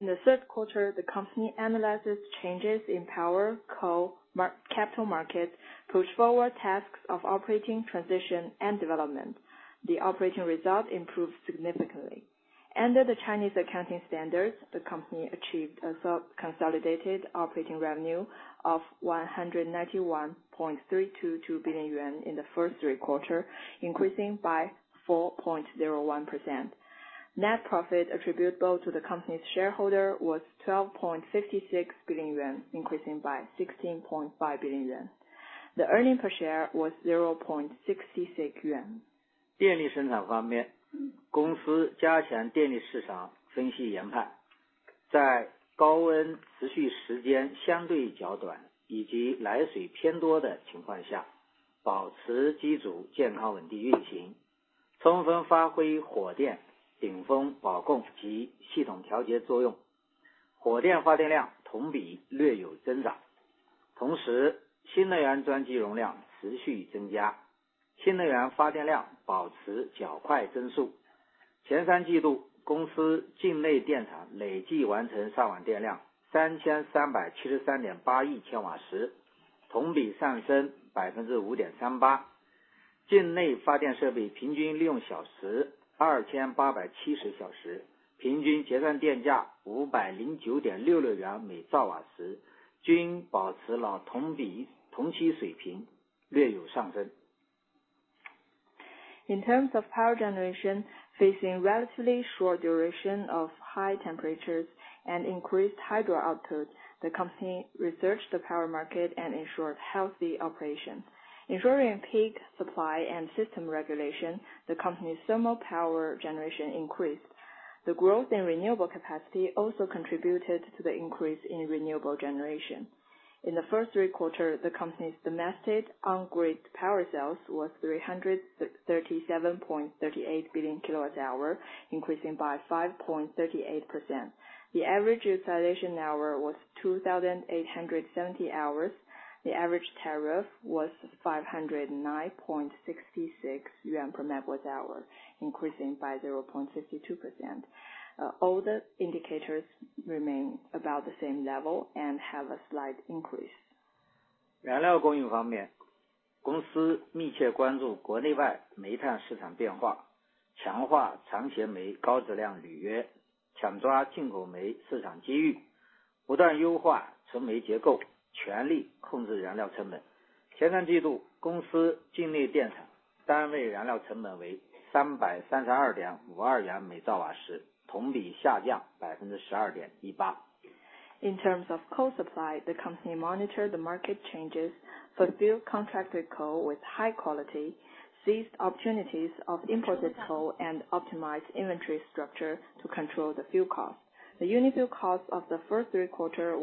In the third quarter, the company analyzes changes in power, coal, capital market, push forward tasks of operating, transition, and development. The operating result improved significantly. Under the Chinese accounting standards, the company achieved a consolidated operating revenue of 191.322 billion yuan in the first three quarters, increasing by 4.01%. Net profit attributable to the company's shareholder was 12.56 billion yuan, increasing by 16.5 billion yuan. The earning per share was CNY In terms of power generation, facing relatively short duration of high temperatures and increased hydro output, the company researched the power market and ensured healthy operation. Ensuring peak supply and system regulation, the company's thermal power generation increased. The growth in renewable capacity also contributed to the increase in renewable generation. In the first three quarters, the company's domestic on-grid power sales was 337.38 billion kWh, increasing by 5.38%. The average utilization hours was 2,870 hours. The average tariff was 509.66 CNY/MWh, increasing by 0.62%. All the indicators remain about the same level and have a slight increase. In terms of coal supply, the company monitored the market changes, fulfilled contracted coal with high quality, seized opportunities of imported coal, and optimized inventory structure to control the fuel cost. The unit fuel cost of the first three quarters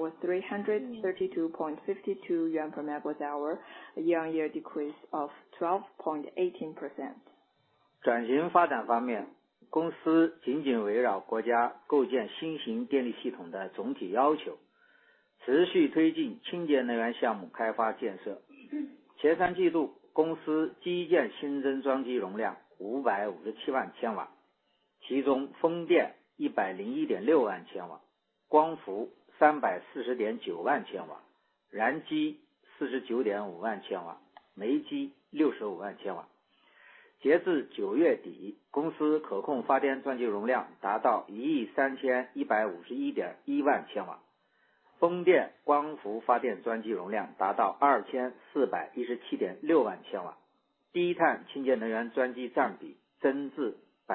was 332.52 CNY/MWh, a year-on-year decrease of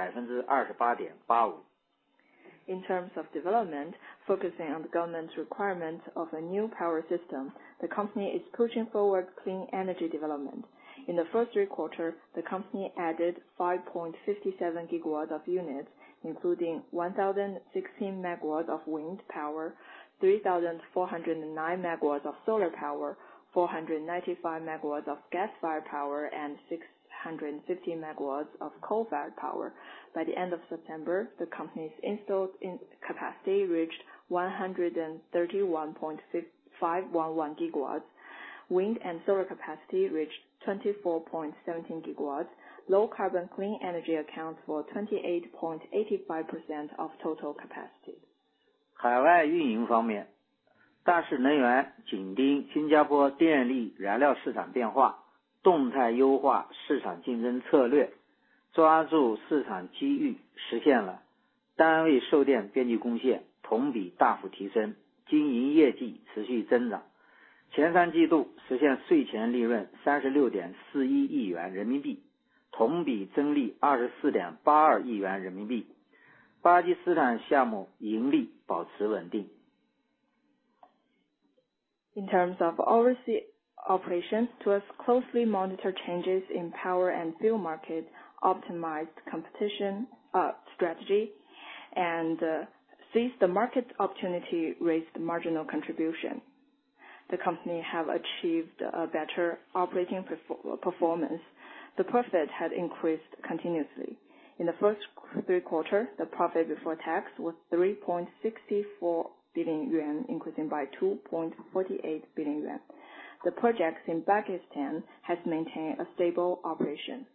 12.18%. In terms of development, focusing on the government's requirement of a new power system, the company is pushing forward clean energy development. In the first three quarters, the company added 5.57 GW of units, including 1,016 MW of wind power, 3,409 MW of solar power, 495 MW of gas-fired power, and 650 MW of coal-fired power. By the end of September, the company's installed capacity reached 131.6511 GW. Wind and solar capacity reached 24.17 GW. Low carbon clean energy accounts for 28.85% of total capacity. In terms of overseas operations, Tuas closely monitor changes in power and fuel market, optimized competition, strategy, and seized the market opportunity raised marginal contribution. The company have achieved a better operating performance. The profit had increased continuously. In the first three quarter, the profit before tax was 3.64 billion yuan, increasing by 2.48 billion yuan. The projects in Pakistan has maintained a stable operation....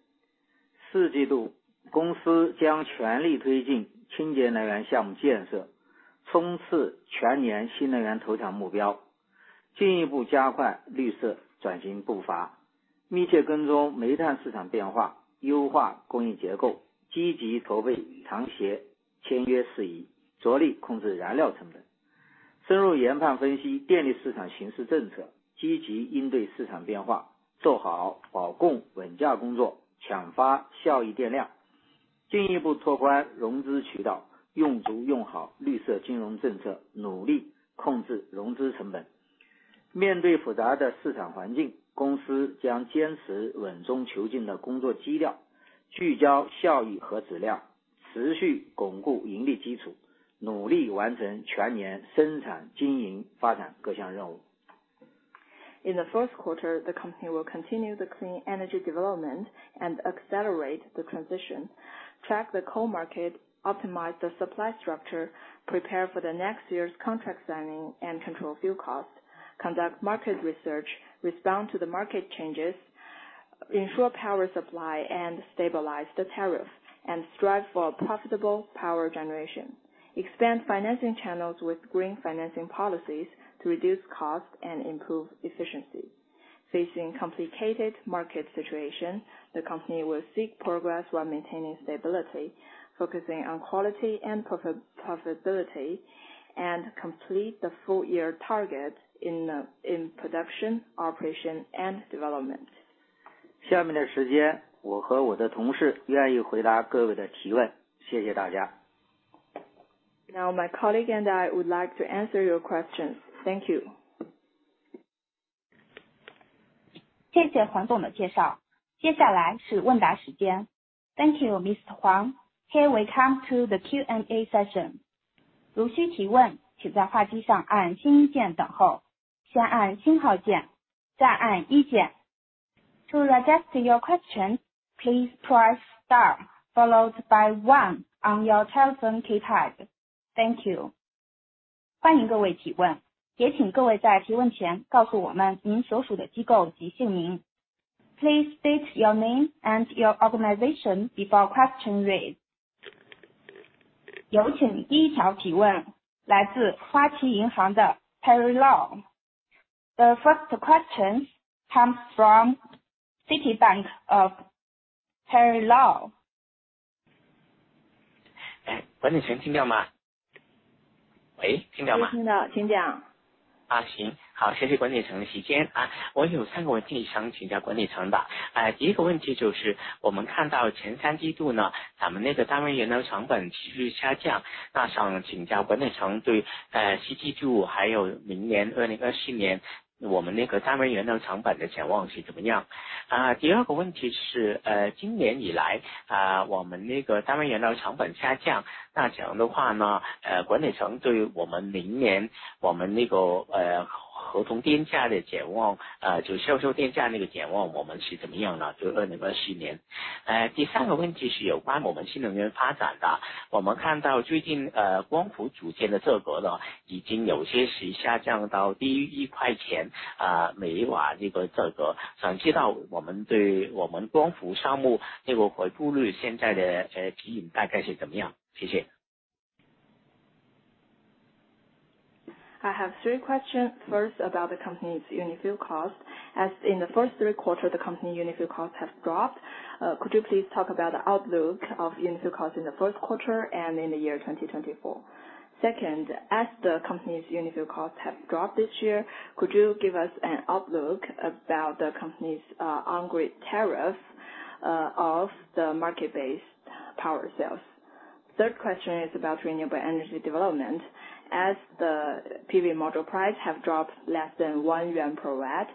In the first quarter, the company will continue the clean energy development and accelerate the transition. Track the coal market, optimize the supply structure, prepare for the next year's contract signing, and control fuel costs. Conduct market research, respond to the market changes, ensure power supply, and stabilize the tariff, and strive for profitable power generation. Expand financing channels with green financing policies to reduce costs and improve efficiency. Facing complicated market situation, the company will seek progress while maintaining stability, focusing on quality and profitability, and complete the full year target in production, operation and development. 下面的时间，我和我的同事愿意回答各位的提问，谢谢大家。Now, my colleague and I would like to answer your questions. Thank you. 谢谢黄总的介绍。接下来是问答时间。Thank you, Mr. Huang. Here we come to the Q&A session。如需提问，请在话机上按星一键等候，先按星号键，再按一键。To ask a question, please press star followed by one on your telephone keypad. Thank you。欢迎各位提问，也请各位在提问前告诉我们您所属的机构及姓名。Please state your name and your organization before raising a question。有请第一条提问来自花旗银行的Harry Weiner。The first question comes from Harry Weiner of Citibank。哎，管理层听得到吗？喂，听得到吗？ 听到，听见。1，每一瓦这个价格，想知道我们对我们光伏项目这个回报率，现在的指引大概是怎么样的？谢谢。I have three questions. First, about the company's unit fuel cost. As in the first three quarters, the company unit fuel costs have dropped. Could you please talk about the outlook of unit fuel costs in the first quarter and in the year 2024? Second, as the company's unit fuel costs have dropped this year, could you give us an outlook about the company's on-grid tariff of the market-based power sales? Third question is about renewable energy development. As the PV module price have dropped less than 1 yuan per watt,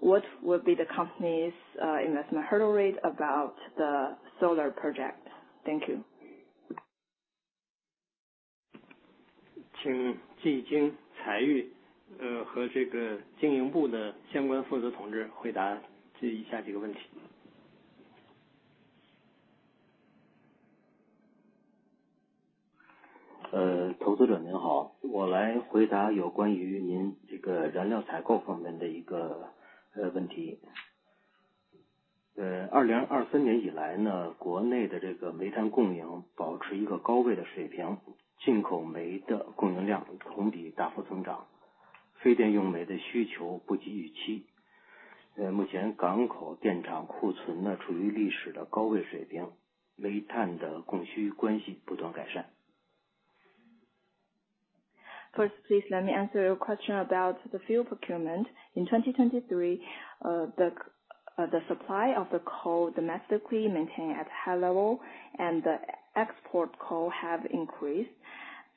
what would be the company's investment hurdle rate about the solar project? Thank you. 请纪检、财务、和这个经营部的相关负责人回答以下几个问题。First, please let me answer your question about the fuel procurement. In 2023, the supply of the coal domestically maintained at high level and the export coal have increased.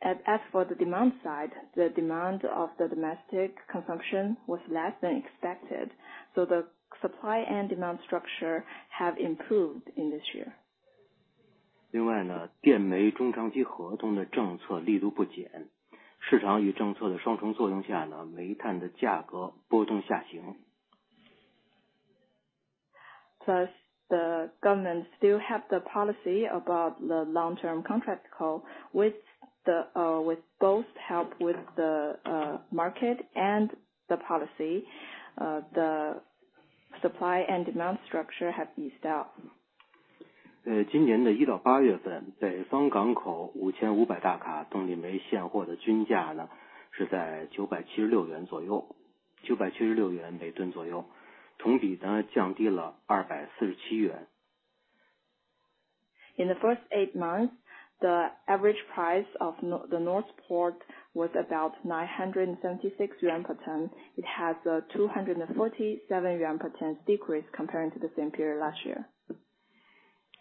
As for the demand side, the demand of the domestic consumption was less than expected, so the supply and demand structure have improved in this year. 另外呢，电煤中长期合同的政策力度不减，市场与政策的双重作用下呢，煤炭的价格波动下行。Plus, the government still have the policy about the long-term coal contract with both help with the market and the policy, the supply and demand structure have eased up.... 今年的一到八月份，北方港口5500大卡动力煤现货的均价呢，是在CNY 976左右，CNY 976每吨左右，同比呢，降低了CNY 247。In the first eight months, the average price of the northern port was about 976 yuan per ton. It has a 247 yuan per ton decrease comparing to the same period last year.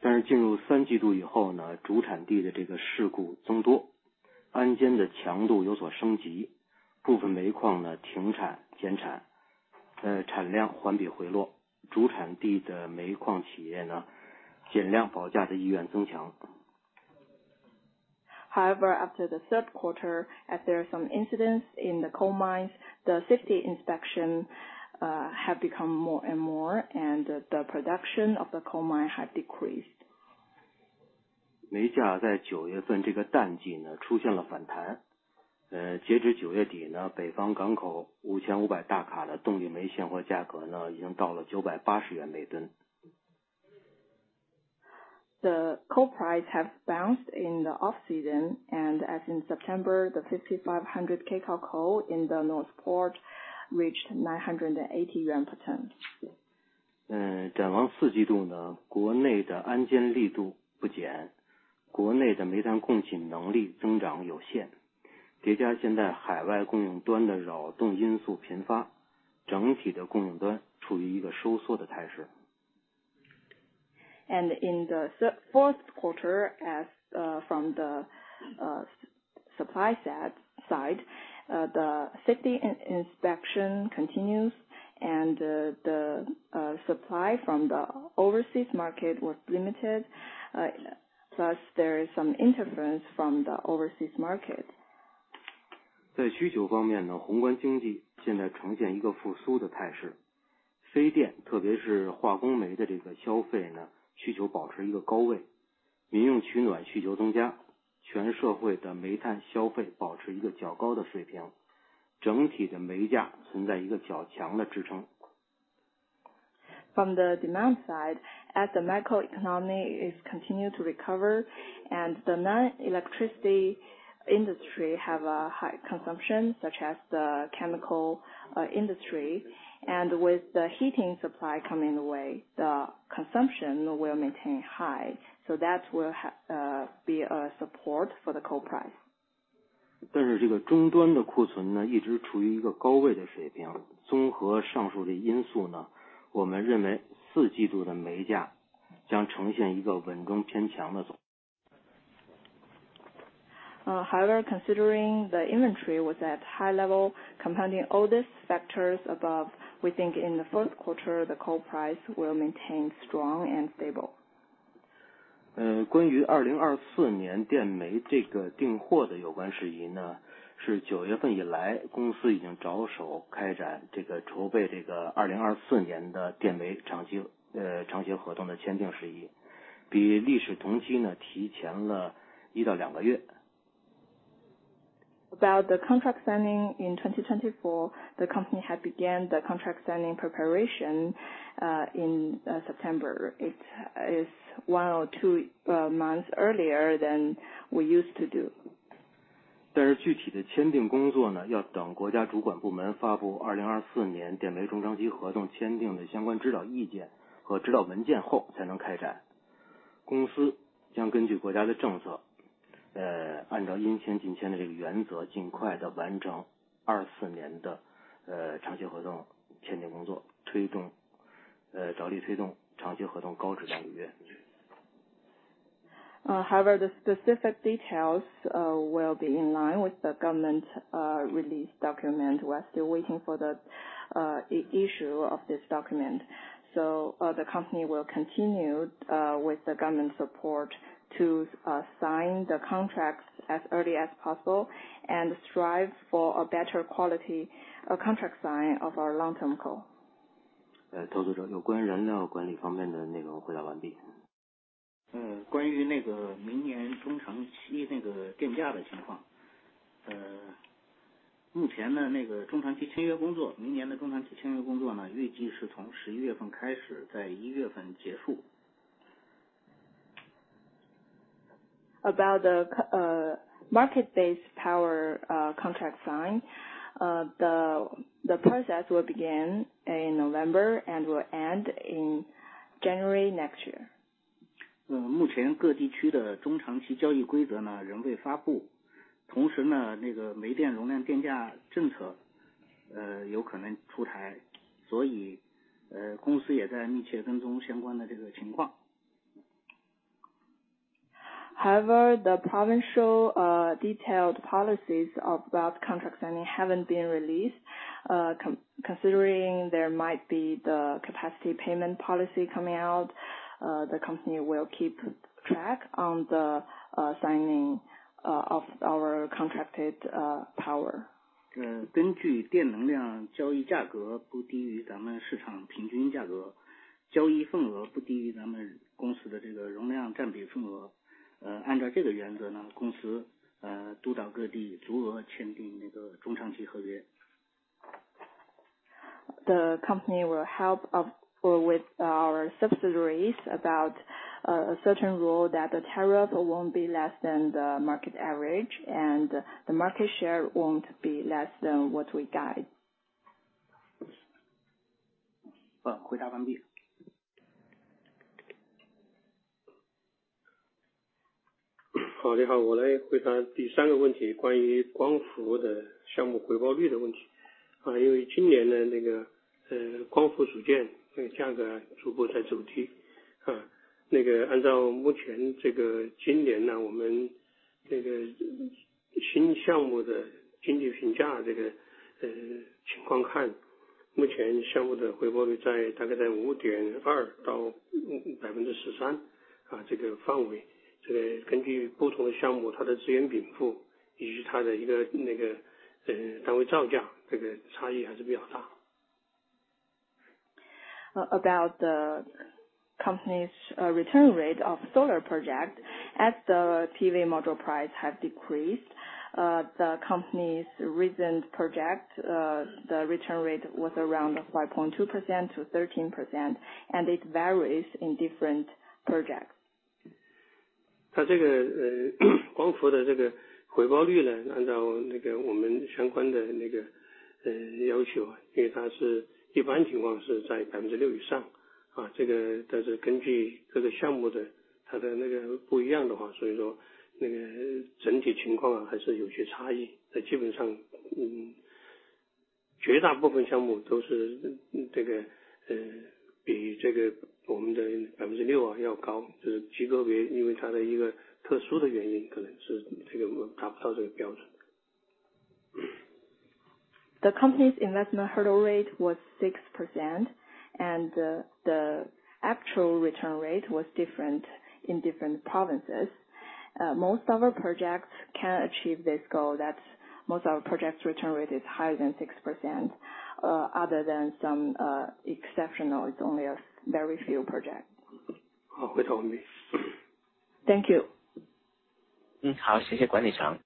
但是进入三季度以后呢，主产地的这个事故增多，安监的强度有所升级，部分煤矿呢停产、减产，产量环比回落。主产地的煤矿企业呢，尽量保价的意愿增强。However, after the third quarter, as there are some incidents in the coal mines, the safety inspection have become more and more, and the production of the coal mine have decreased. 煤价在九月份这个淡季呢，出现了反弹。呃，截止九月底呢，北方港口5500大卡的动力煤现货价格呢，已经到了CNY 980每吨。The coal price have bounced in the off-season, and as in September, the 5500 kcal coal in the north port reached 980 yuan per ton. 展望四季度呢，国内的安监力度不减，国内的煤炭供给能力增长有限，叠加现在海外供应端的扰动因素频发，整体的供应端处于一个收缩的态势。And in the fourth quarter, from the supply side, the safety inspection continues and the supply from the overseas market was limited, plus there is some interference from the overseas market. 在需求方面呢，宏观经济现在呈现一个复苏的态势。非电，特别是化工煤的这个消费呢，需求保持一个高位，民用取暖需求增加，全社会的煤炭消费保持一个较高的水平，整体的煤价存在一个较强的支撑。From the demand side, as the macro economy is continued to recover, and the non-electricity industry have a high consumption, such as the chemical industry, and with the heating supply coming the way, the consumption will maintain high, so that will be a support for the coal price. 但是这个终端的库存呢，一直处于一个高位水平。综合上述的因素呢，我们认为四季度的煤价将呈现一个稳中偏强的走... However, considering the inventory was at high level, compounding all these factors above, we think in the fourth quarter, the coal price will maintain strong and stable. 关于2024年电煤这个订货的有关事宜呢，是九月份以来，公司已经着手开展这个筹备2024年的电煤长期合同的签订事宜，比历史同期呢提前了一到两个月。About the contract signing in 2024, the company had began the contract signing preparation in September. It is one or two months earlier than we used to do. However, the specific details will be in line with the government release document. We are still waiting for the issue of this document. So, the company will continue with the government support to sign the contracts as early as possible and strive for a better quality of contract sign of our long-term coal. 投资者，相关人员管理方面的内容回答完毕。关于那个明年的中长期那个电价的情况，目前呢，那个中长期签约工作，明年的中长期签约工作呢，预计是从十一月份开始，在一月份结束。About the market-based power contract sign, the process will begin in November and will end in January next year. 目前各地区的中长期交易规则呢，仍未发布。同时呢，那个煤电容量电价政策，有可能出台，所以，公司也在密切跟踪相关的这个情况。However, the provincial, detailed policies about contract signing haven't been released. Considering there might be the capacity payment policy coming out, the company will keep track on the signing of our contracted power. 根据电能量交易价格不低于咱们市场平均价格，交易份额不低于咱们公司的这个容量占比份额。按照这个原则呢，公司，督导各地足额签订那个中长期合约。...The company will help up with our subsidiaries about a certain rule that the tariff won't be less than the market average, and the market share won't be less than what we guide. 回答完问题。About the company's return rate of solar project. As the PV module price have decreased, the company's recent project, the return rate was around 5.2%-13%, and it varies in different projects. The company's investment hurdle rate was 6%, and the actual return rate was different in different provinces. Most of our projects can achieve this goal that most of our projects return rate is higher than 6%, other than some exceptional, it's only a very few projects. 好，回头米。Thank you。好，谢谢管理层。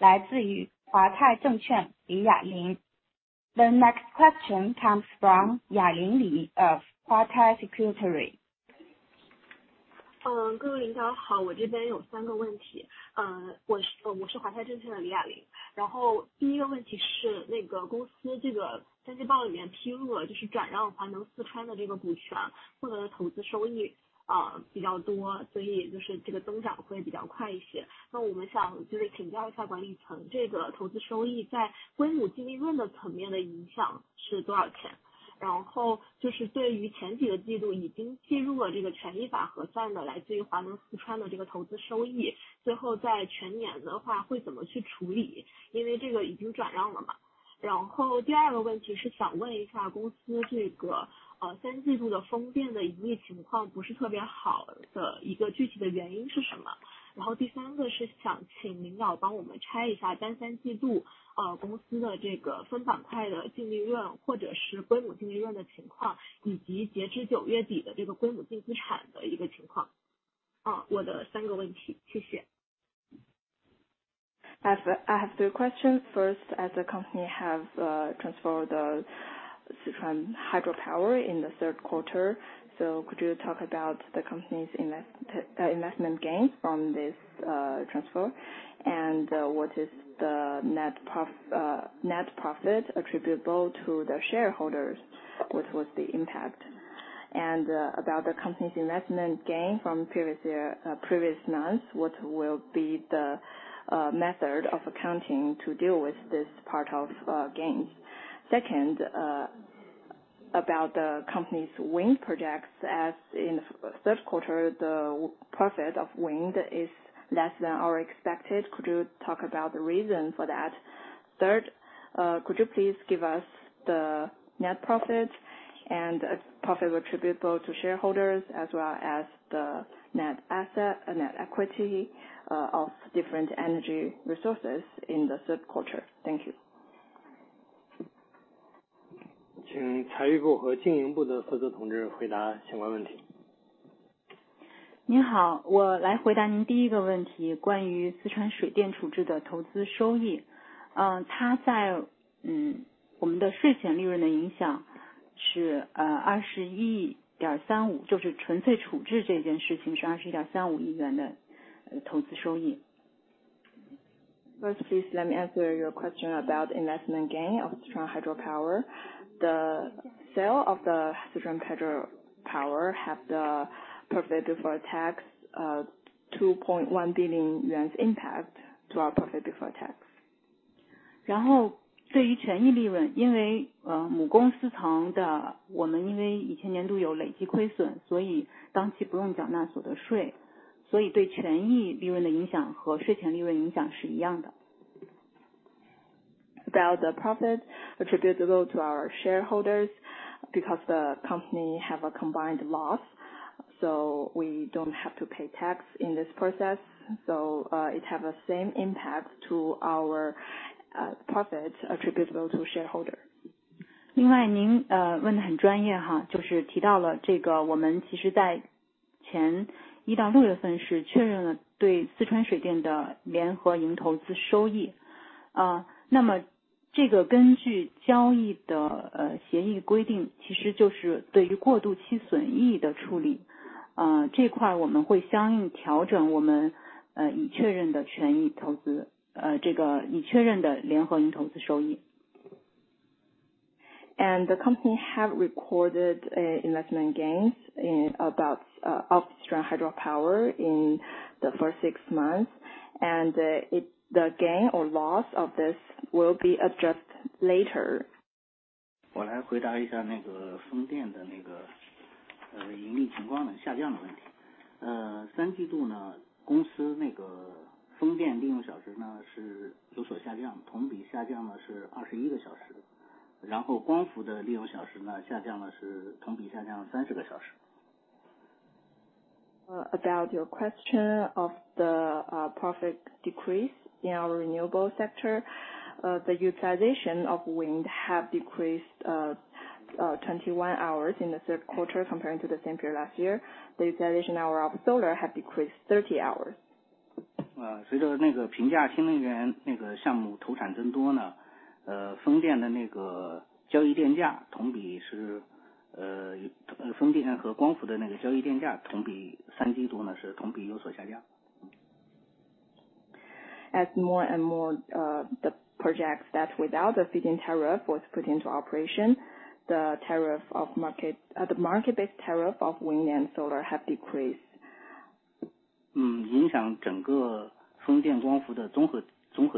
下一条问题来自于华泰证券，李亚林。The next question comes from Li Yalin of Huatai Securities. I have three questions. First, as the company have transferred the Sichuan Hydropower in the third quarter. So could you talk about the company's investment gains from this transfer? And what is the net profit attributable to their shareholders? What was the impact? And about the company's investment gain from previous year, previous months, what will be the method of accounting to deal with this part of gains? Second, about the company's wind projects, as in the third quarter, the profit of wind is less than our expected. Could you talk about the reason for that? Third, could you please give us the net profit and profit attributable to shareholders, as well as the net asset and net equity of different energy resources in the third quarter? Thank you. 请财务部和经营部的负责同志回答相关问题。你好，我来回答您第一个问题，关于四川水电处置的投资收益。我们的税前利润的影响是，21.35亿元，就是纯粹处置这件事情是21.35亿元的投资收益。First, please let me answer your question about investment gain of Sichuan Hydropower. The sale of the Sichuan Hydropower have the profit before tax, 2.1 billion yuan impact to our profit before tax. 然后，对于权益利润，因为母公司层面的，我们因为以前年度有累计亏损，所以当期不用缴纳所得税，所以对权益利润的影响和税前利润影响是一样的。About the profit attributable to our shareholders, because the company have a combined loss, so we don't have to pay tax in this process, so, it have the same impact to our, profit attributable to shareholders... The company have recorded, investment gains in about, of strong hydropower in the first six months, and it, the gain or loss of this will be addressed later. 我来回答一下那个风电的那个，盈利情况呢，下降的问题。第三季度呢，公司那个风电利用小时呢，是有所下降，同比下降了21个小时，然后光伏的利用小时呢，下降了是同比下降了30个小时。About your question of the profit decrease in our renewable sector, the utilization of wind have decreased 21 hours in the third quarter, comparing to the same period last year. The utilization hour of solar have decreased 30 hours. 随着那个平价新能源那个项目投产增多呢，风电的那个交易电价同比是，风电和光伏的那个交易电价同比，三季度呢，是同比有所下降。As more and more, the projects that without the feed-in tariff was put into operation, the market-based tariff of wind and solar have decreased. 影响整个风电光伏的综合电价下降。风电的综合电价呢，同比下降了8.3%，这是主要因素。谢谢。It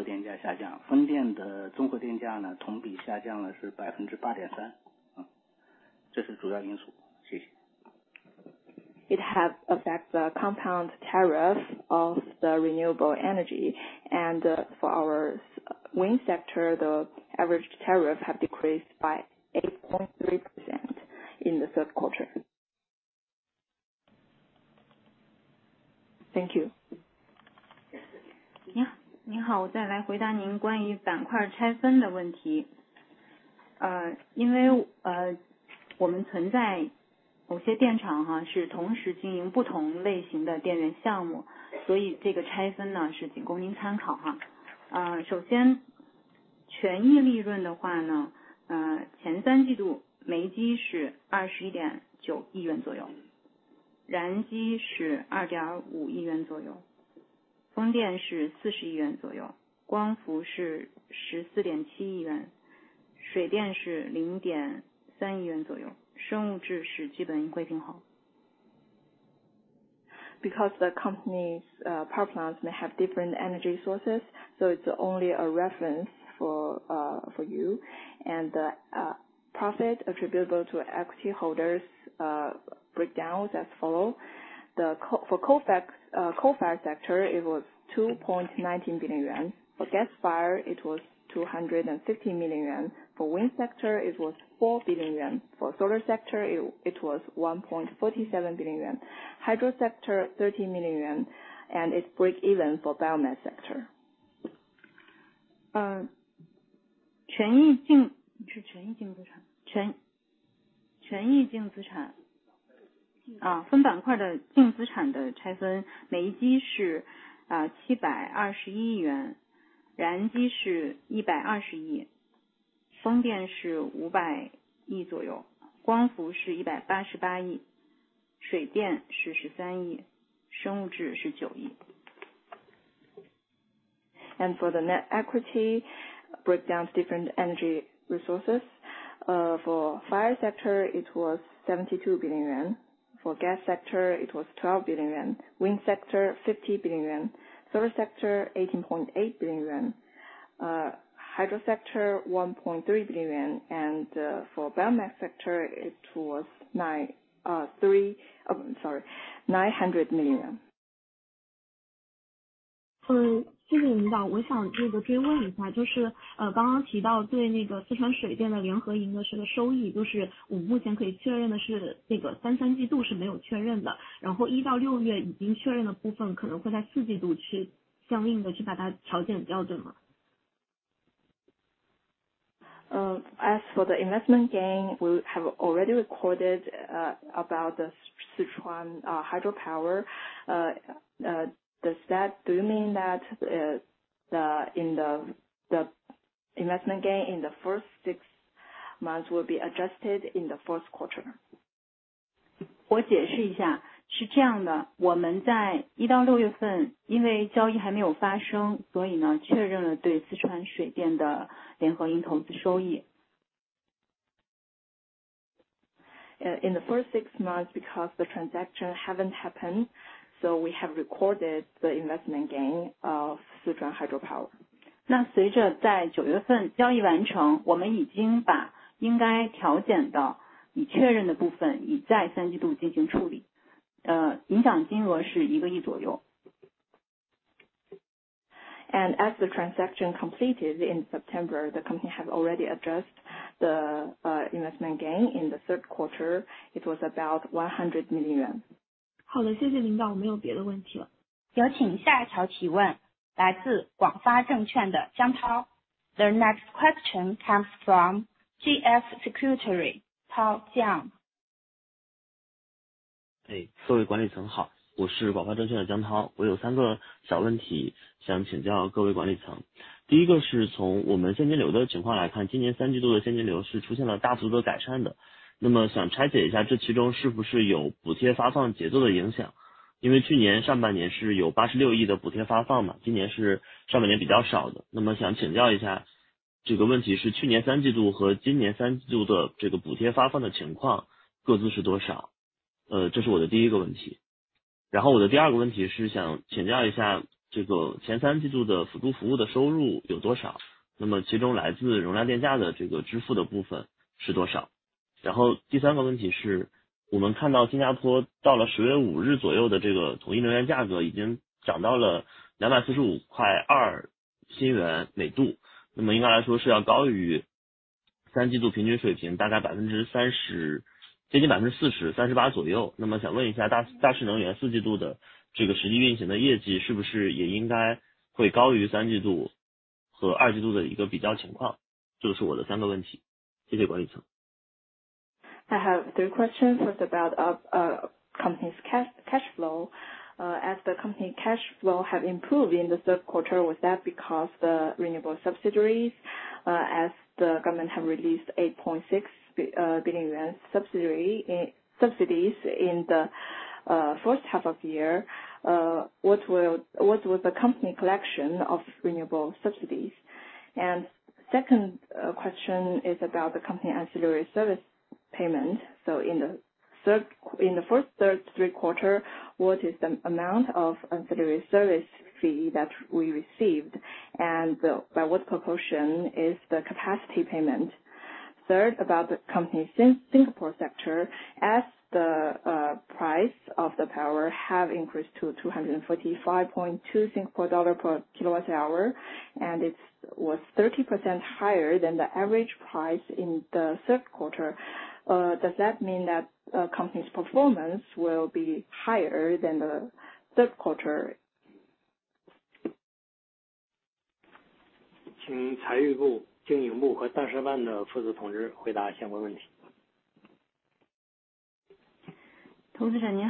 has affected the compound tariff of the renewable energy, and for our wind sector, the average tariff has decreased by 8.3% in the third quarter. Thank you. Hello, let me answer your question about the segment breakdown again. Because we have some power plants that operate different types of power source projects at the same time, this breakdown is only for your reference. First, regarding equity profits, in the first three quarters, coal-fired is around CNY 2.19 billion, gas turbine is around CNY 250 million, wind power is around CNY 4 billion, photovoltaic is CNY 1.47 billion, hydro is around CNY 30 million, biomass is basically zero. And the profit attributable to equity holders breakdowns as follow: the coal-fired sector, it was 2.19 billion yuan; for gas-fired, it was 250 million yuan; for wind sector, it was 4 billion yuan; for solar sector, it was 1.47 billion yuan; hydro sector, 30 million yuan, and it's break even for biomass sector. 权益净，是权益净资产，权，权益净资产，啊，分板块的净资产的拆分，煤机是，七百二十一亿元，燃机是一百二十亿，风电是五百亿左右，光伏是一百八十八亿，水电是十三亿，生物质是九亿。And for the net equity breakdown of different energy resources, for coal-fired sector, it was 72 billion yuan; for gas sector, it was 12 billion yuan; wind sector, 50 billion yuan; solar sector, 18.8 billion yuan; hydro sector, 1.3 billion yuan; and for biomass sector, it was nine, three, oh, sorry, 900 million yuan. 谢谢领导，我想这个追问一下，就是刚刚提到对那个四川水电的合营的这个收益，就是我们目前可以确认的是，这个三季度是没有确认的，然后一到六月已经确认的部分，可能会在四季度去相应的把它调减掉，对吗？ As for the investment gain, we have already recorded about the Sichuan hydropower. Does that mean that the investment gain in the first six months will be adjusted in the fourth quarter? 我解释一下，是这样的，我们在一到六月份，因为交易还没有发生，所以呢，确认了对四川水电的联合营投资收益。In the first six months, because the transaction haven't happened, so we have recorded the investment gain of Sichuan Hydropower 那随着在九月份交易完成，我们已经把应该调减的已确认的部分，已在三季度进行处理，影响金额是一个亿左右。As the transaction completed in September, the company have already addressed the investment gain in the third quarter。It was about 100 million。好 的， 谢谢领 导， 我没有别的问题了。The next question comes from Jiang Tao of GF Securities. Hello, good day to the management. I am Jiang Tao from GF Securities. I have three small questions I would like to ask the management. The first one is, from our cash flow situation, this year's third quarter cash flow has shown significant improvement. So, I want to break it down a bit: is there an impact from the subsidy payment rhythm? Because last year in the first half there were CNY 8.6 billion in subsidy payments, this year in the first half it was relatively less. So, I want to ask, for this question, what were the subsidy payment situations for last year's third quarter and this year's third quarter respectively? That is my first question. Then my second question is to ask, what is the revenue from ancillary services for the first three quarters? Then, among them, how much is the part from the capacity electricity price payments? Then the third question is, we see that in Singapore up to around October 5 the unified energy price has already risen to 245.2 SGD per MWh, so it should be said to be higher than the third quarter average level by about 30%. So, I want to ask about Tuas Power, whether the actual operating performance in the fourth quarter should also be higher than the comparison situation of the third quarter and second quarter? These are my three questions. Thank you, management. I have three questions about company's cash flow. As the company cash flow have improved in the third quarter. Was that because the renewable subsidiaries, as the government have released 8.6 billion yuan subsidies in the first half of the year, what was the company collection of renewable subsidies? And second, question is about the company ancillary service payment. So in the first three quarters, what is the amount of ancillary service fee that we received and by what proportion is the capacity payment? Third, about the company Singapore sector. As the price of the power have increased to 245.2 Singapore dollar per kWh, and it was 30% higher than the average price in the third quarter. Does that mean that the company's performance will be higher than the third quarter? 请财务部、经营部和上市办的负责同志回答相关问题。Hello, investor.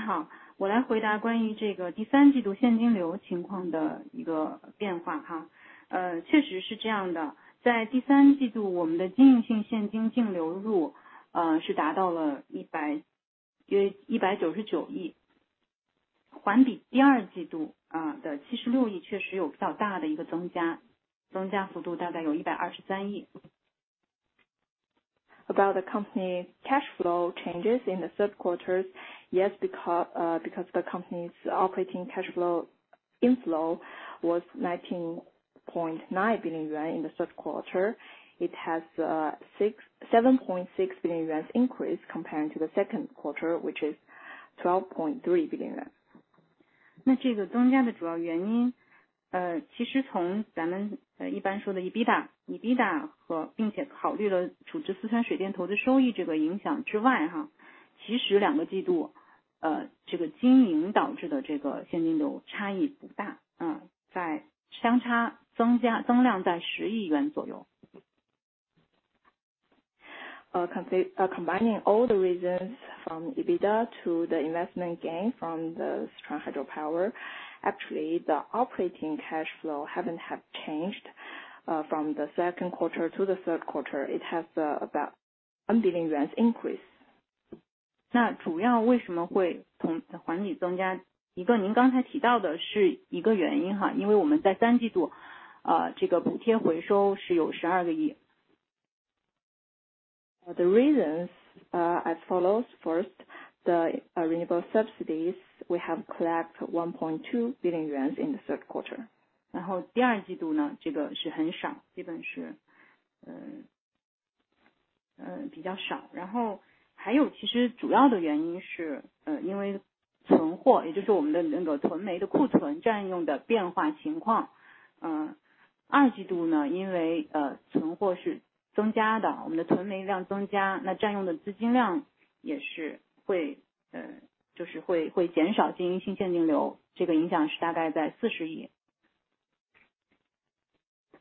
I am here to answer regarding the change in this third quarter cash flow situation. Indeed, it is like this. In the third quarter, our operating cash net inflow reached approximately CNY 19.9 billion, quarter-over-quarter from the second quarter's CNY 7.6 billion. Indeed, there is a comparatively large increase, with the increase amounting to approximately CNY 12.3 billion. Yes, because the company's operating cash flow inflow was 19.9 billion yuan in the third quarter. It has a 7.6 billion yuan increase compared to the second quarter, which is 12.3 billion yuan. Combining all the reasons from EBITDA to the investment gain from the Sichuan hydropower. Actually, the operating cash flow haven't have changed from the second quarter to the third quarter. It has about 1 billion yuan increase. The reasons as follows. First, the renewable subsidies, we have collect CNY 1.2 billion in the third quarter.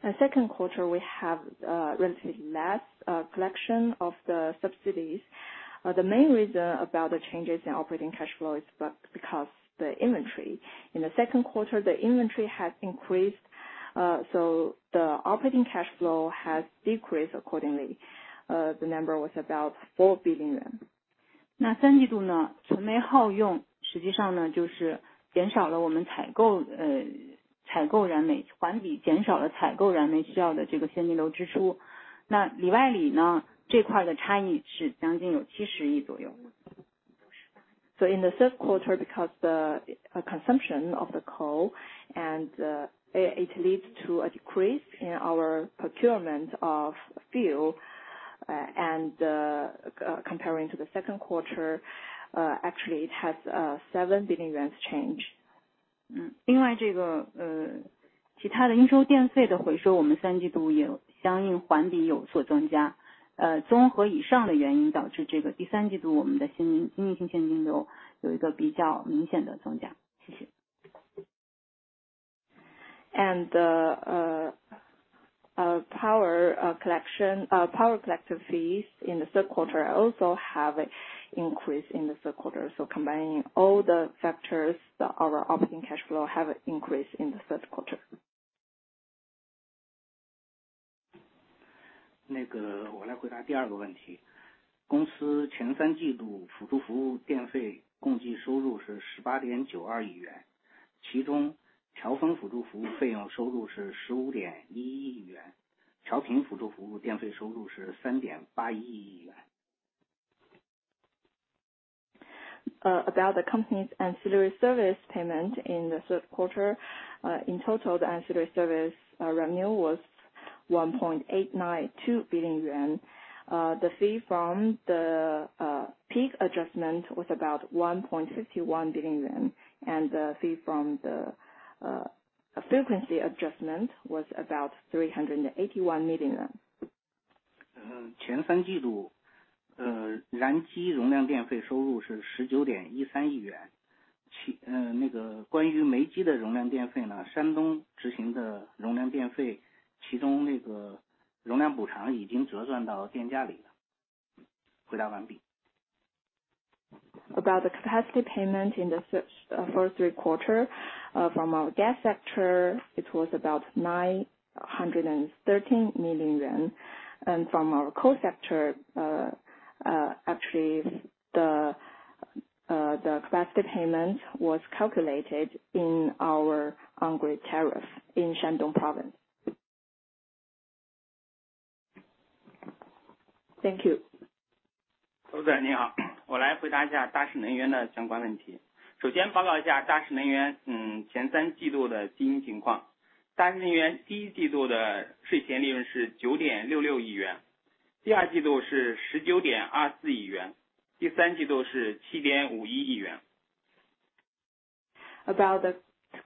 The second quarter, we have relatively less collection of the subsidies. The main reason about the changes in operating cash flow is because the inventory. In the second quarter, the inventory has increased, so the operating cash flow has decreased accordingly. The number was about 4 billion yuan. So in the third quarter, because the consumption of the coal, it leads to a decrease in our procurement of fuel. And comparing to the second quarter, actually it has CNY 7 billion change. And the power collection fees in the third quarter also have an increase in the third quarter. So combining all the factors that our operating cash flow have increased in the third quarter. Thank you! 我来回答第二个问题。公司前三季度辅助服务电费共计收入是18.92亿元，其中调峰辅助服务费用收入是15.1亿元，调频辅助服务电费收入是3.81亿元。About the company's ancillary service payment in the third quarter, in total, the ancillary service revenue was 1.892 billion yuan. The fee from the peak adjustment was about 1.51 billion yuan, and the fee from the frequency adjustment was about CNY 381 million. 前三季度，燃机容量电费收入是19.13亿元。那个关于煤机的容量电费呢，山东执行的容量电费，其中那个容量补偿已经折算到电价里了。回答完毕。About the capacity payment in the first three quarter, from our gas sector, it was about 913 million yuan. From our coal sector, actually, the capacity payment was calculated in our on-grid tariff in Shandong Province. Thank you. 周总，你好，我来回答一下大势能源的相关问题。首先报告一下大势能源，前三季度的经营情况。大势能源第一季度的税前利润是9.66亿元，第二季度是19.24亿元，第三季度是7.51亿元。About the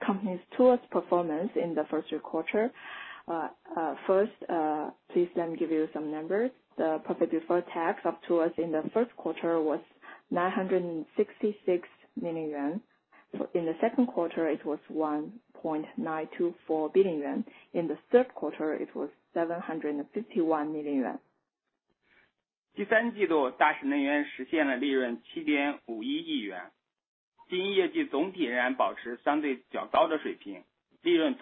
company's overall performance in the first three quarters. Please let me give you some numbers. The profit before tax in the first quarter was 966 million yuan. In the second quarter, it was 1.924 billion yuan. In the third quarter, it was 751 million yuan. 第三季度，大势能源实现了利润7.51亿元，经营业绩总体仍然保持相对较高的水平，利润同比增加了3.33亿元。In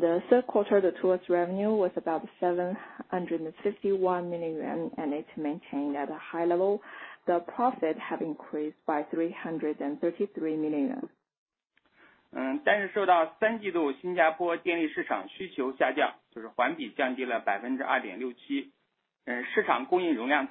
the third quarter, the Tuas revenue was about 751 million yuan, and it maintained at a high level. The profit have increased by 333 million yuan. 但是受到第三季度新加坡电力市场需求下降，就是环比降低了2.67%，市场供应容量增加，以及政府出台的临时电价上限政策实施等因素影响，第三季度新加坡的批发市场电价较二季度出现了较大幅度的降低。第三季度大势能源的利润总额较二季度的高位水平也有了较大幅度的回落，利润环比减少了11.73亿元，主要是售电边际贡献同比减少。However,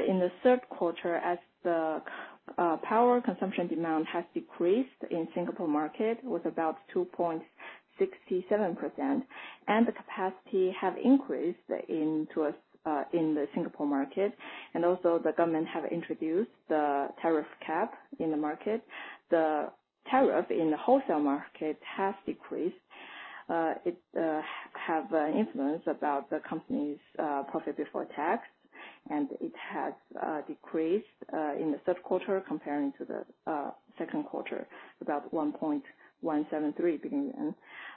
in the third quarter, as the power consumption demand has decreased in Singapore market was about 2.67%, and the capacity have increased in the Singapore market, and also the government have introduced the tariff cap in the market. The tariff in the wholesale market has decreased. It have an influence about the company's profit before tax, and it has decreased in the third quarter comparing to the second quarter, about CNY 1.173 billion.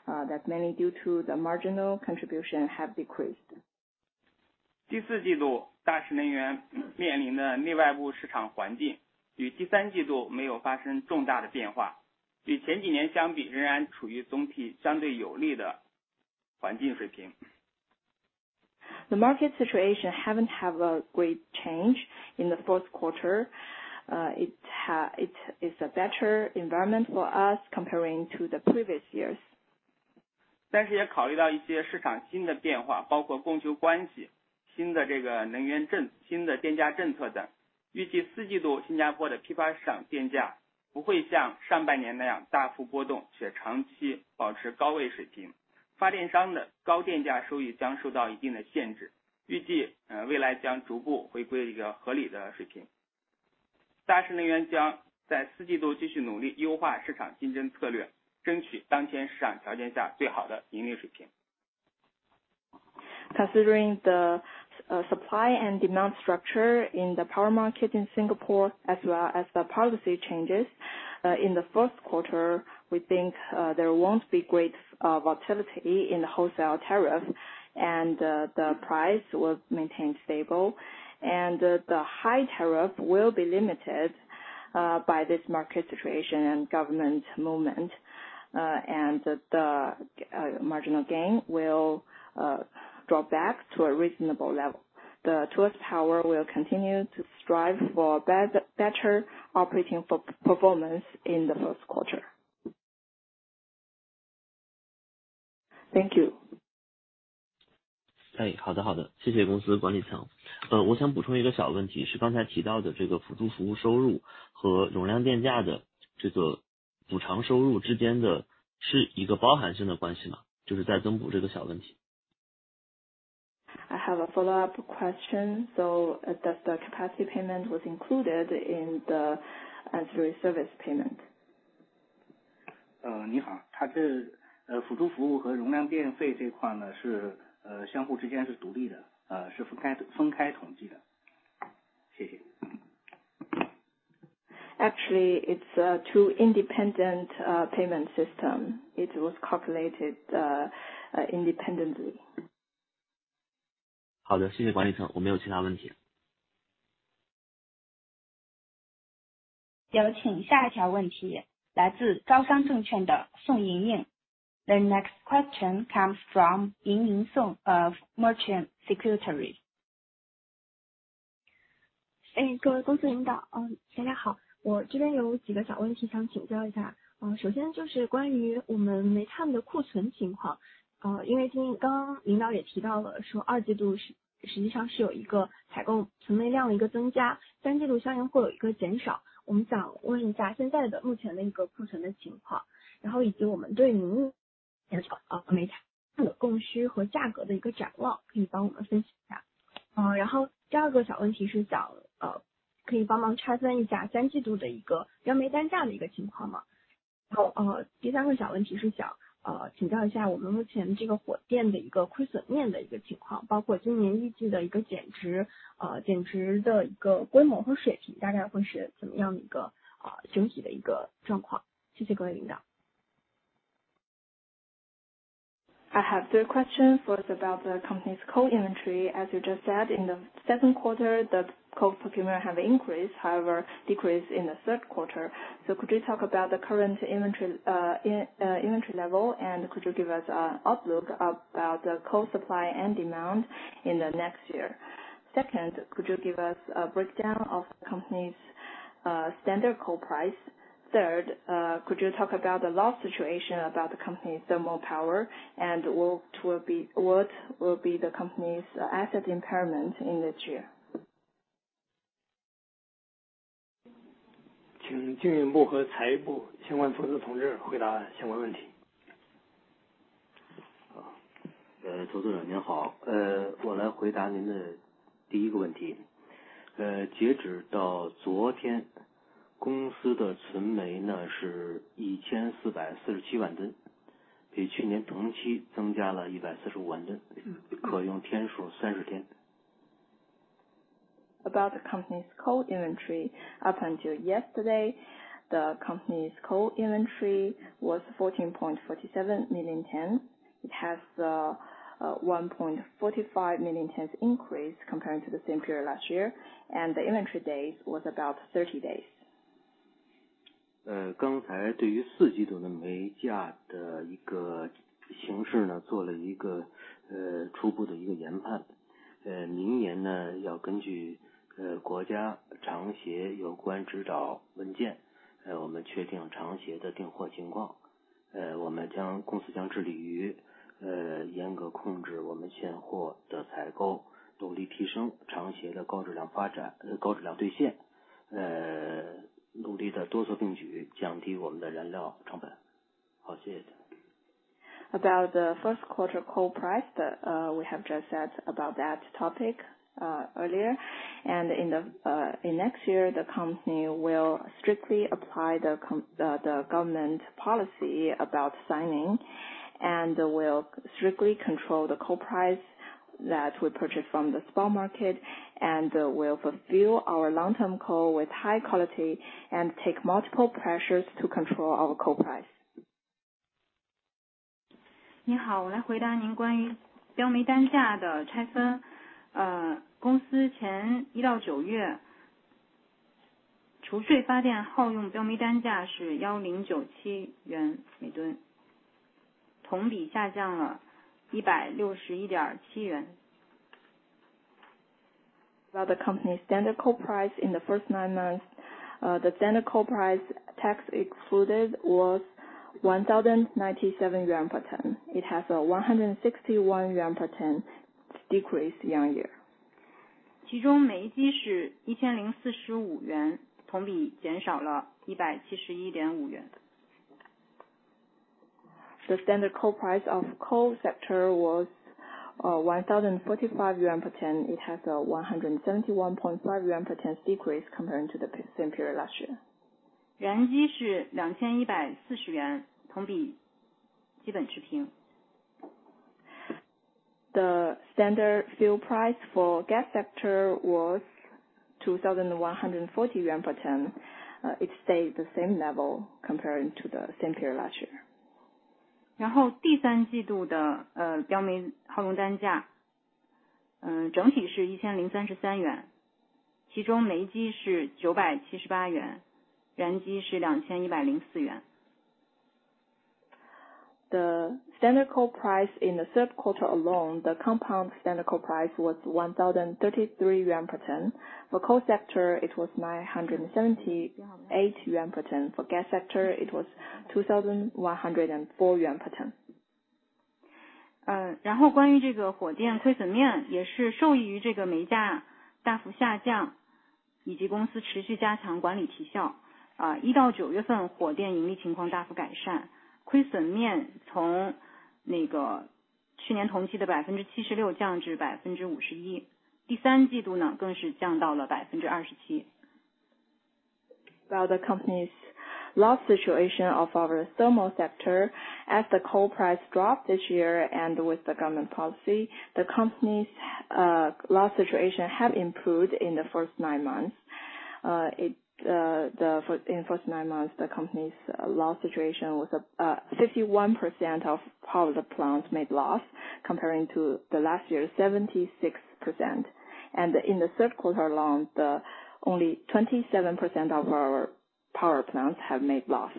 That's mainly due to the marginal contribution have decreased. 第四季度，大势能源面临的内部外部市场环境与第三季度没有发生重大的变化，与前几年相比，仍然处于总体相对有利的环境水平。The market situation haven't have a great change in the fourth quarter. It is a better environment for us comparing to the previous years. 但是也考虑到一些市场新的变化，包括供求关系、新的这个能源政策、新的电价政策等。预计四季度新加坡的批发市场电价不会像上半年那样大幅波动，且长期保持高位水平，发电商的高电价收益将受到一定的限制，预计，未来将逐步回归一个合理水平。大势能源将在四季度继续努力优化市场竞争策略，争取当前市场条件下最好的盈利水平。Considering the supply and demand structure in the power market in Singapore, as well as the policy changes in the first quarter, we think there won't be great volatility in the wholesale tariff, and the price will maintain stable, and the high tariff will be limited by this market situation and government movement, and the marginal gain will drop back to a reasonable level....Tuas Power will continue to strive for better operating performance in the first quarter. Thank you. 哎，好的，好的，谢谢公司管理层。我想补充一个小问题，是刚才提到的这个辅助服务收入和容量电价的这个补偿收入之间的，是一个包含性的关系吗？就是再补充这个小问题。I have a follow-up question, so that the capacity payment was included in the ancillary service payment. 你好，它这，辅助服务和容量电费这一块呢，是，相互之间是独立的，是分开，分开统计的。谢谢。Actually, it's two independent payment system. It was calculated independently. 好的，谢谢管理层，我没有其他问题了。有请下一条问题来自招商证券的宋莹莹。The next question comes from Song Yingying of China Merchants Securities. I have three questions, first about the company's coal inventory. As you just said, in the second quarter, the coal procurement have increased, however, decreased in the third quarter. So could you talk about the current inventory, in inventory level, and could you give us an outlook about the coal supply and demand in the next year? Second, could you give us a breakdown of the company's, standard coal price? Third, could you talk about the loss situation about the company's thermal power, and what will be, what will be the company's asset impairment in this year? 请经营部和财务部相关同志回答相关问题。周董事长，您好，我来回答您的第一个问题。截止到昨天，公司的存煤呢，是1447万吨，比去年同期增加了145万吨，可用天数30天。About the company's coal inventory. Up until yesterday, the company's coal inventory was 14.47 million tons. It has one point 45 million tons increase compared to the same period last year, and the inventory days was about 30 days. About the first quarter coal price, we have just said about that topic earlier, and in next year, the company will strictly apply the government policy about signing, and will strictly control the coal price that we purchase from the spot market, and will fulfill our long-term coal with high quality, and take multiple pressures to control our coal price. 你好，我来回答您关于标煤单价的拆分。公司前1到9月，除税发电耗用标煤单价是1,097元每吨，同比下降了161.7元。About the company's standard coal price in the first nine months, the standard coal price, tax excluded, was 1,097 yuan per ton. It has a 161 yuan per ton decrease year-on-year. 其中煤价是 CNY 1,045，同比减少了 CNY 171.5。The standard coal price of coal sector was 1,045 yuan per ton. It has a 171.5 yuan per ton decrease compared to the same period last year. 燃机是 CNY 2,140，同比基本持平。The standard fuel price for gas sector was 2,140 yuan per ton. It stayed the same level compared to the same period last year. 然后第三季度的标煤耗用单价，整体是CNY 1,033，其中煤机是CNY 978，燃机是CNY 2,104。...The standard coal price in the third quarter alone, the compound standard coal price was 1,033 yuan per ton. For coal sector, it was 978 yuan per ton. For gas sector, it was 2,104 yuan per ton. 然后关于这个火电亏损面，也是受益于这个煤价大幅下降，以及公司持续加强管理绩效。一到九月份，火电盈利情况大幅改善，亏损面从那个去年同期的76%降至51%，第三季度呢，更是降到了27%。About the company's loss situation of our thermal sector. As the coal price dropped this year, and with the government policy, the company's loss situation have improved in the first nine months. In the first nine months, the company's loss situation was 51% of power the plants made loss, comparing to the last year's 76%. And in the third quarter alone, the only 27% of our power plants have made loss.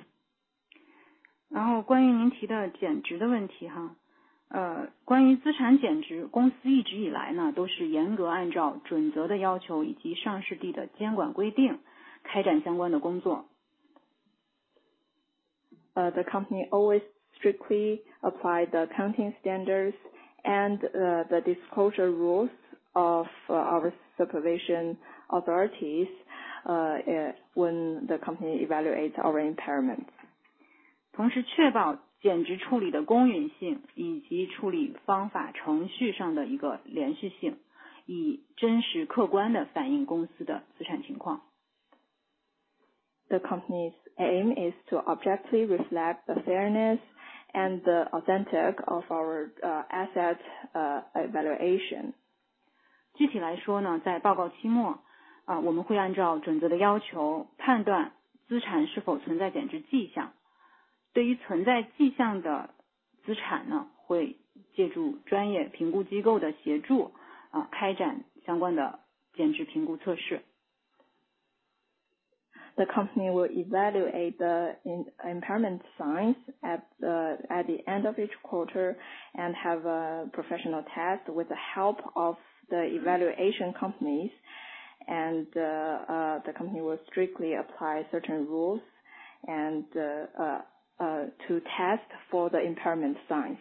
然后关于您提的减值的问题，关于资产减值，公司一直以来呢，都是严格按照准则的要求，以及上市地的监管规定开展相关的工作。The company always strictly apply the accounting standards and the disclosure rules of our supervision authorities when the company evaluates our impairment. 同时确保减值处理的公允性，以及处理方法程序上的一个连续性，以真实客观地反映公司的资产情况。The company's aim is to objectively reflect the fairness and the authenticity of our asset evaluation. 具体来说，在报告期末，我们会按照准则的要求，判断资产是否存在减值迹象。对于存在迹象的资产，会借助专业评估机构的协助，开展相关的减值评估测试。The company will evaluate the impairment signs at the end of each quarter, and have a professional test with the help of the evaluation companies. The company will strictly apply certain rules and to test for the impairment signs.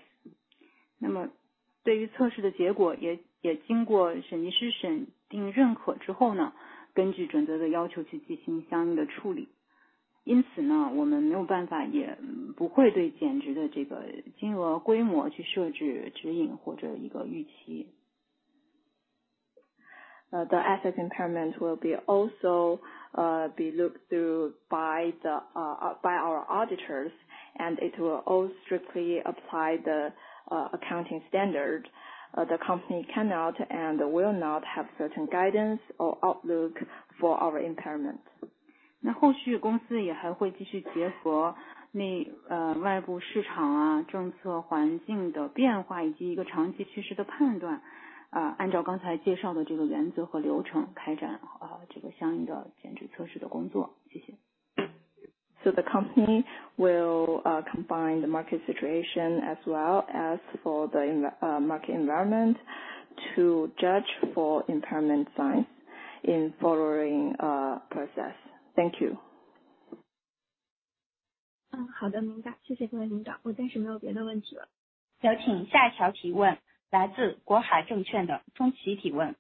那么对于测试的结果，也经过审计师审计认可之后呢，根据准则的要求去进行相应的处理。因此呢，我们没有办法，也不会对减值的这个金额规模去设置指引或者一个预期。The asset impairment will also be looked through by our auditors, and it will all strictly apply the accounting standard. The company cannot and will not have certain guidance or outlook for our impairment. 那么后续，公司也会继续结合内部、外部市场啊、政策环境的变化，以及一个长期趋势的判断，按照刚才介绍的这个原则和流程，开展这个相应的减值测试的工作，谢谢。So the company will combine the market situation as well as for the market environment, to judge for impairment signs in following process. Thank you. 好的，明白。谢谢各位领导，我暂时没有别的问题了。请下一条提问，来自国海证券的钟琪提问。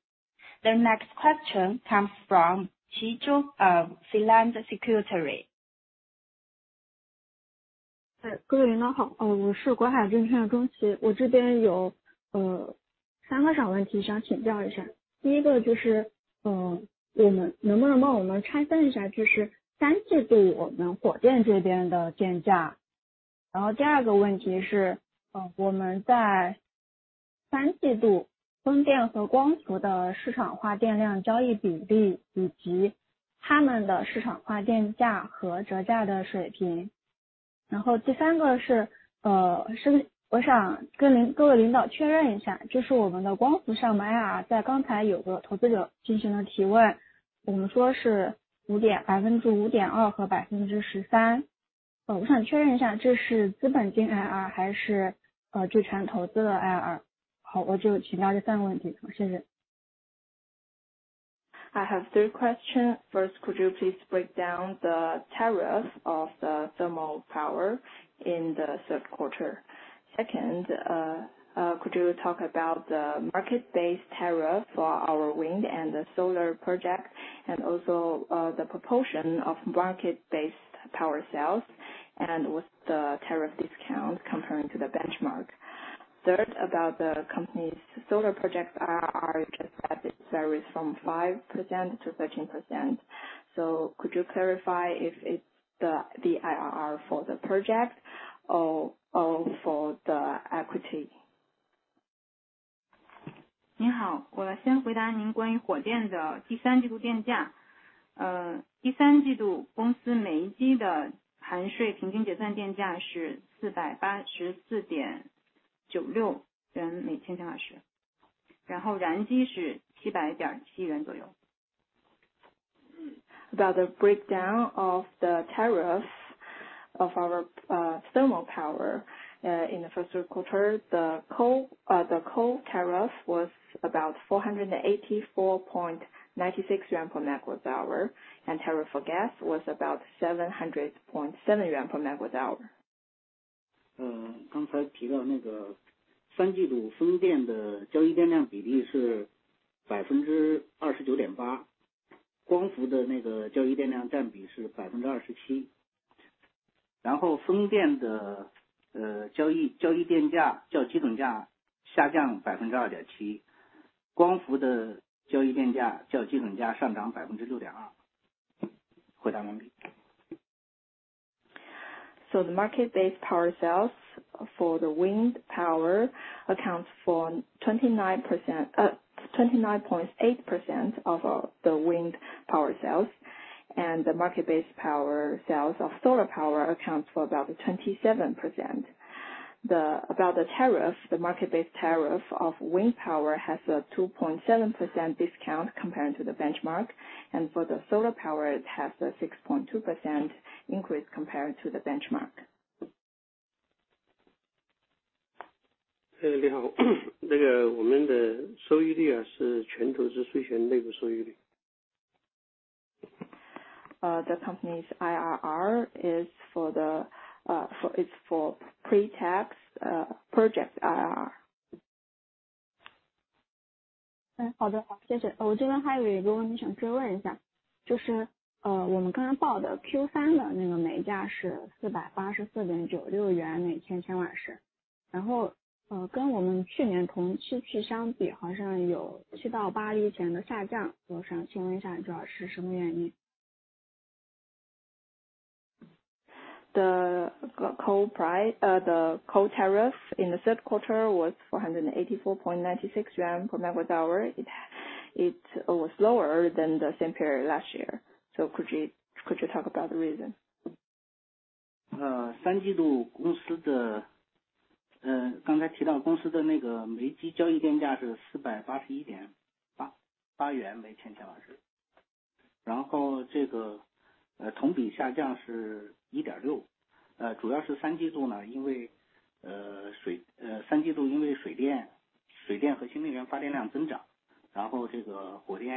The next question comes from Zhong Qi of Guohai Securities. 各位领导好，我是国海证券的钟琪，我这边有3个小问题想请教一下。第一个就是，我们能不能帮我们拆分一下，就是第三季度我们火电这边的电价。然后第二个问题是，我们在第三季度风电和光伏的市场化电量交易比例，以及他们的市场化电价和折价的水平。然后第三个是，我想跟各位领导确认一下，就是我们的光伏项目IRR，在刚才有个投资者进行了提问，我们说是5%，5.2%和13%。我想确认一下，这是资本金IRR，还是资产投资的IRR？好，我就请教这3个问题，谢谢。I have three questions. First, could you please break down the tariff of the thermal power in the third quarter? Second, could you talk about the market-based tariff for our wind and solar projects, and also, the proportion of market-based power sales and with the tariff discount comparing to the benchmark. Third, about the company's solar project IRR, varies from 5%-13%. So could you clarify if it's the IRR for the project or for the equity? 您好，我先回答您关于火电的第三季度电价。第三季度公司煤机的含税平均结算电价是484.96元每千瓦时，然后燃机是700.7元左右。...About the breakdown of the tariffs of our thermal power. In the first quarter, the coal, the coal tariffs was about 484.96 yuan per MWh, and tariff for gas was about 700.7 yuan per So the market-based power sales for the wind power accounts for 29%, 29.8% of the wind power sales, and the market-based power sales of solar power accounts for about 27%. About the tariff, the market-based tariff of wind power has a 2.7% discount compared to the benchmark, and for the solar power, it has a 6.2% increase compared to the benchmark. 你好，那个我们的收益率是全投资税前内部收益率。The company's IRR is for pre-tax project IRR. 好的，谢谢。我这边还有一个问题想追问一下，就是，我们刚才报的Q3的那个煤价是484.96元每千千瓦时，然后，跟我们去年同期相比，好像有7-8亿钱的下降。我想请问一下，主要是什 么原因？ The coal price, the coal tariff in the third quarter was 484.96 yuan per MWh. It was lower than the same period last year. So could you talk about the reason? 三季度公司的，刚才提到公司的那个煤电交易电价是481.88元每千瓦时，然后这个，同比下降是1.6。主要是三季度呢，因为水电和新能源发电量增长，然后这个火电发挥这个顶峰保供的作用，然后这个，发电量呢，相对有所下降。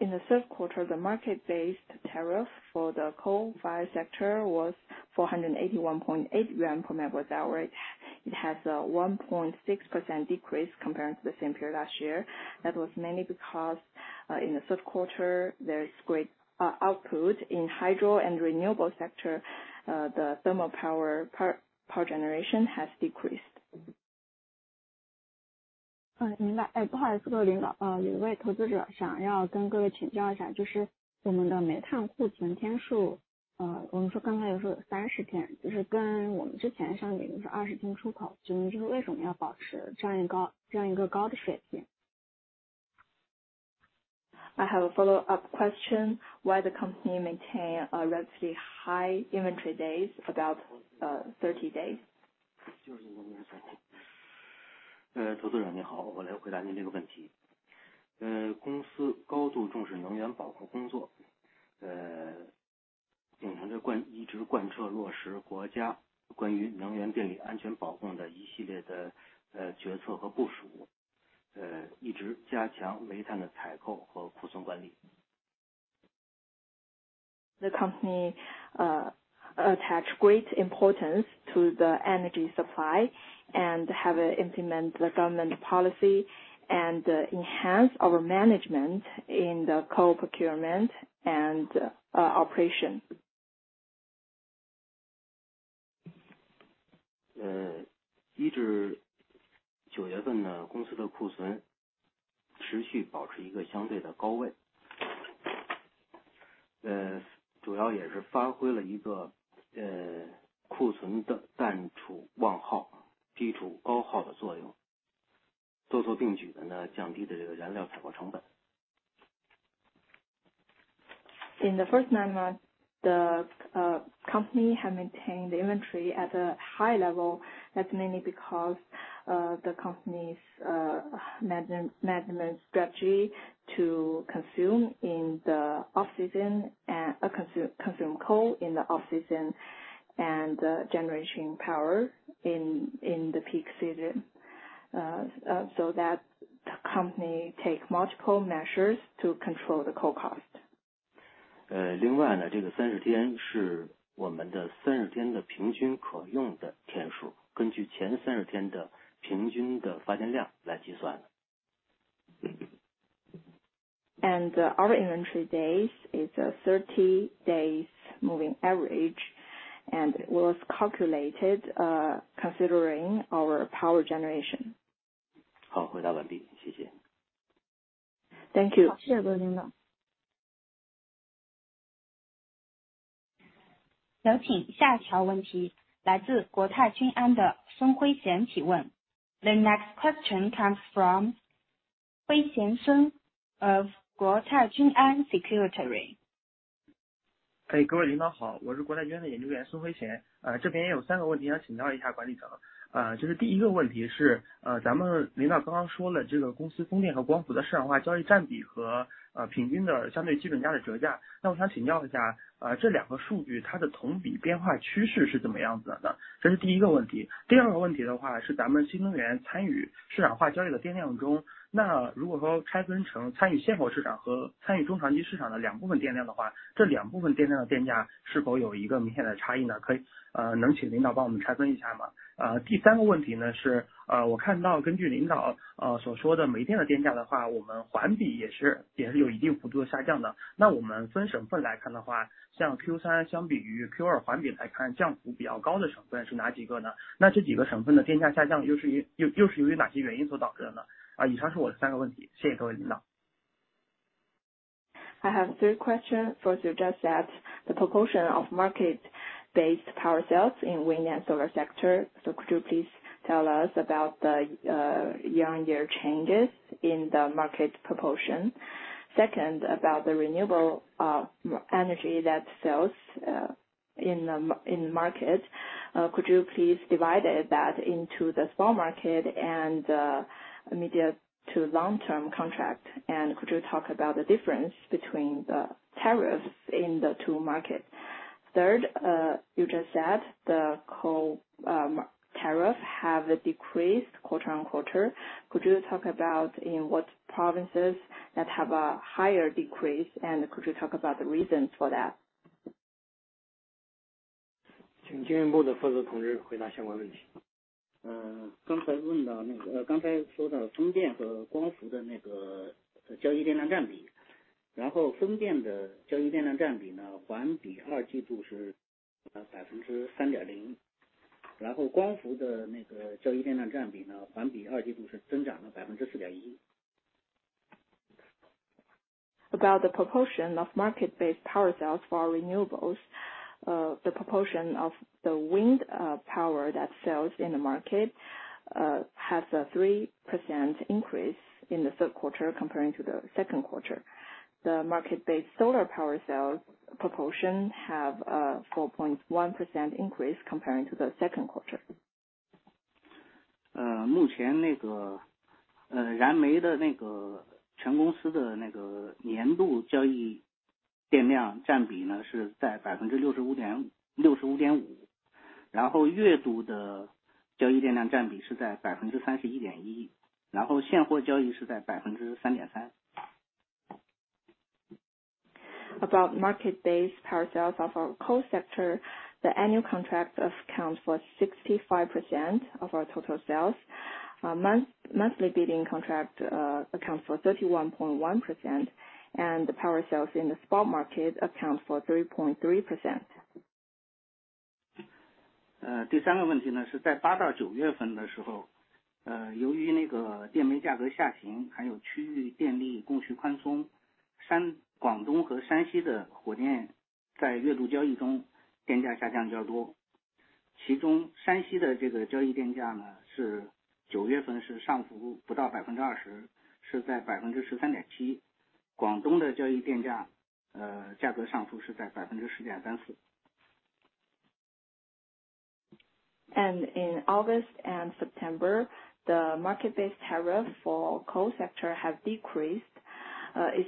In the third quarter, the market-based tariff for the coal-fired sector was 481.8 yuan per MWh. It has a 1.6% decrease compared to the same period last year. That was mainly because, in the third quarter, there is great output in hydro and renewable sector, the thermal power generation has decreased. 不好意思，各位领导，有一位投资者想要跟各位请教一下，就是我们的煤炭库存天数，我们说刚才有说30天，就是跟我们之前像已经是20天，出口，请问就是为什么要保持这样一高，这样一个高的水平？ I have a follow-up question. Why the company maintain a relatively high inventory days, about 30 days? 投资者，你好，我来回答你这个问题。公司高度重视能源保供工作，一直贯彻落实国家关于能源电力安全保供的一系列决策和部署，一直加强煤炭的采购和库存管理。The company attach great importance to the energy supply, and have implement the government policy, and enhance our management in the coal procurement and operation. 一直九月份呢，公司的库存持续保持一个相对的高位。主要也是发挥了一个，库存的淡储旺耗，低储高耗的作用，多措并举地呢，降低了这个燃料采购成本。In the first nine months, the company have maintained the inventory at a high level. That's mainly because the company's management strategy to consume in the off-season and consume coal in the off-season, and generating power in the peak season. So that the company take multiple measures to control the coal cost. 另外呢，这个30天是我们的30天的平均可用天数，根据前30天的平均的发电量来计算。Our inventory days is a 30-day moving average, and it was calculated considering our power generation. 好，回答完毕，谢谢。Thank you. 谢谢各位领导。The next question comes from Sun Huixian of Guotai Junan Securities.... Hello, leaders. I am Sun Huixian, the analyst from Guotai Junan Securities. and medium- to long-term contract? And could you talk about the difference between the tariffs in the two markets? Third, you just said the coal tariff have decreased quarter-on-quarter. Could you talk about in what provinces that have a higher decrease, and could you talk about the reasons for that? 请经营部的负责同志回答相关问题。刚才问到的那个，刚才说到的风电和光伏的那个交易电量占比，然后风电的交易电量占比呢，环比二季度是3.0%。然后光伏的那个交易电量占比呢，环比二季度是增长了4.1%。About the proportion of market-based power sales for renewables. The proportion of the wind power that sells in the market has a 3% increase in the third quarter comparing to the second quarter. The market-based solar power sales proportion have 4.1% increase comparing to the second quarter. 目前那个，燃煤的那个全公司的那个年度交易电量占比呢，是在65.5%，65.5%。然后月度的交易电量占比是在31.1%，然后现货交易是在3.3%。About market-based power sales of our coal sector, the annual contract accounts for 65% of our total sales. Monthly bidding contract accounts for 31.1%, and the power sales in the spot market accounts for 3.3%. The third question is, during August to September, due to that thermal coal price decline, and also regional electricity supply and demand loose, Shandong, Guangdong and Shanxi's thermal power in monthly trading electricity price dropped more. Among them, Shanxi's this trading electricity price, in September is upward floating less than 20%, is at 13.7%. Guangdong's trading electricity price, price upward floating is at 10.34%. In August and September, the market-based tariff for coal sector have decreased,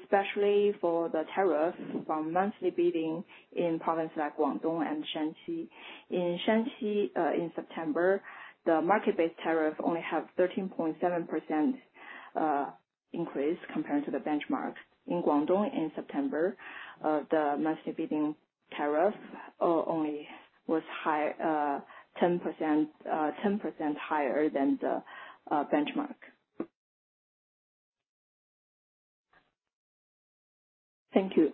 especially for the tariffs from monthly bidding in provinces like Guangdong and Shanxi. In Shanxi, in September, the market-based tariff only have 13.7% increase compared to the benchmark. In Guangdong in September, the monthly bidding tariff only was high 10%, 10% higher than the benchmark. Thank you.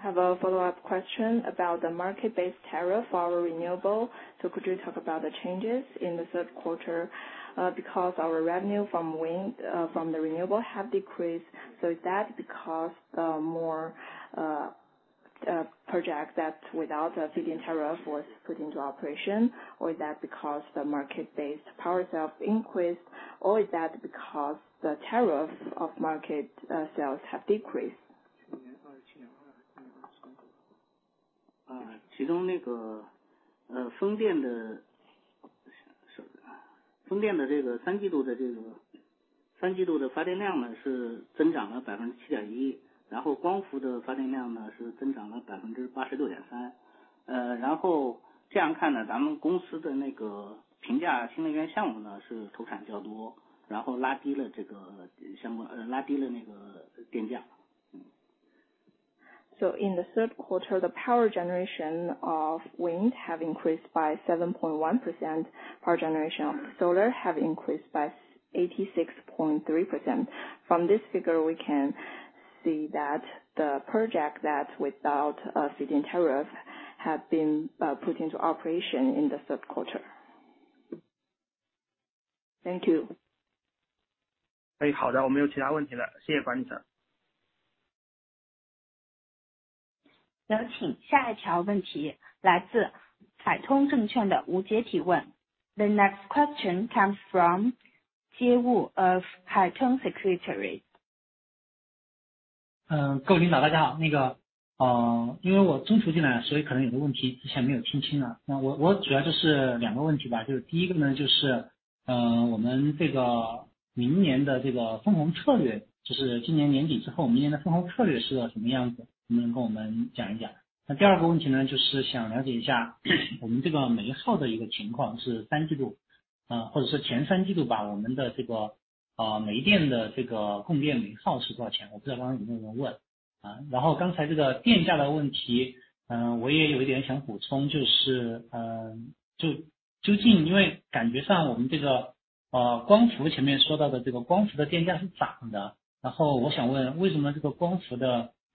I have a follow-up question about the market-based tariff for our renewables. So could you talk about the changes in the third quarter? Because our revenue from wind, from the renewables have decreased. So is that because more projects that without a feed-in tariff was put into operation? Or is that because the market-based power sales increased? Or is that because the tariff of market sales have decreased? So in the third quarter, the power generation of wind have increased by 7.1%. Power generation of solar have increased by 86.3%. From this figure, we can see that the project that without a feed-in tariff have been put into operation in the third quarter. Thank you. 哎，好的，我们没有其他问题了。谢谢樊女士。能请下一条问题来自海通证券的吴杰提问。The next question comes from Wu Jie of Haitong Securities.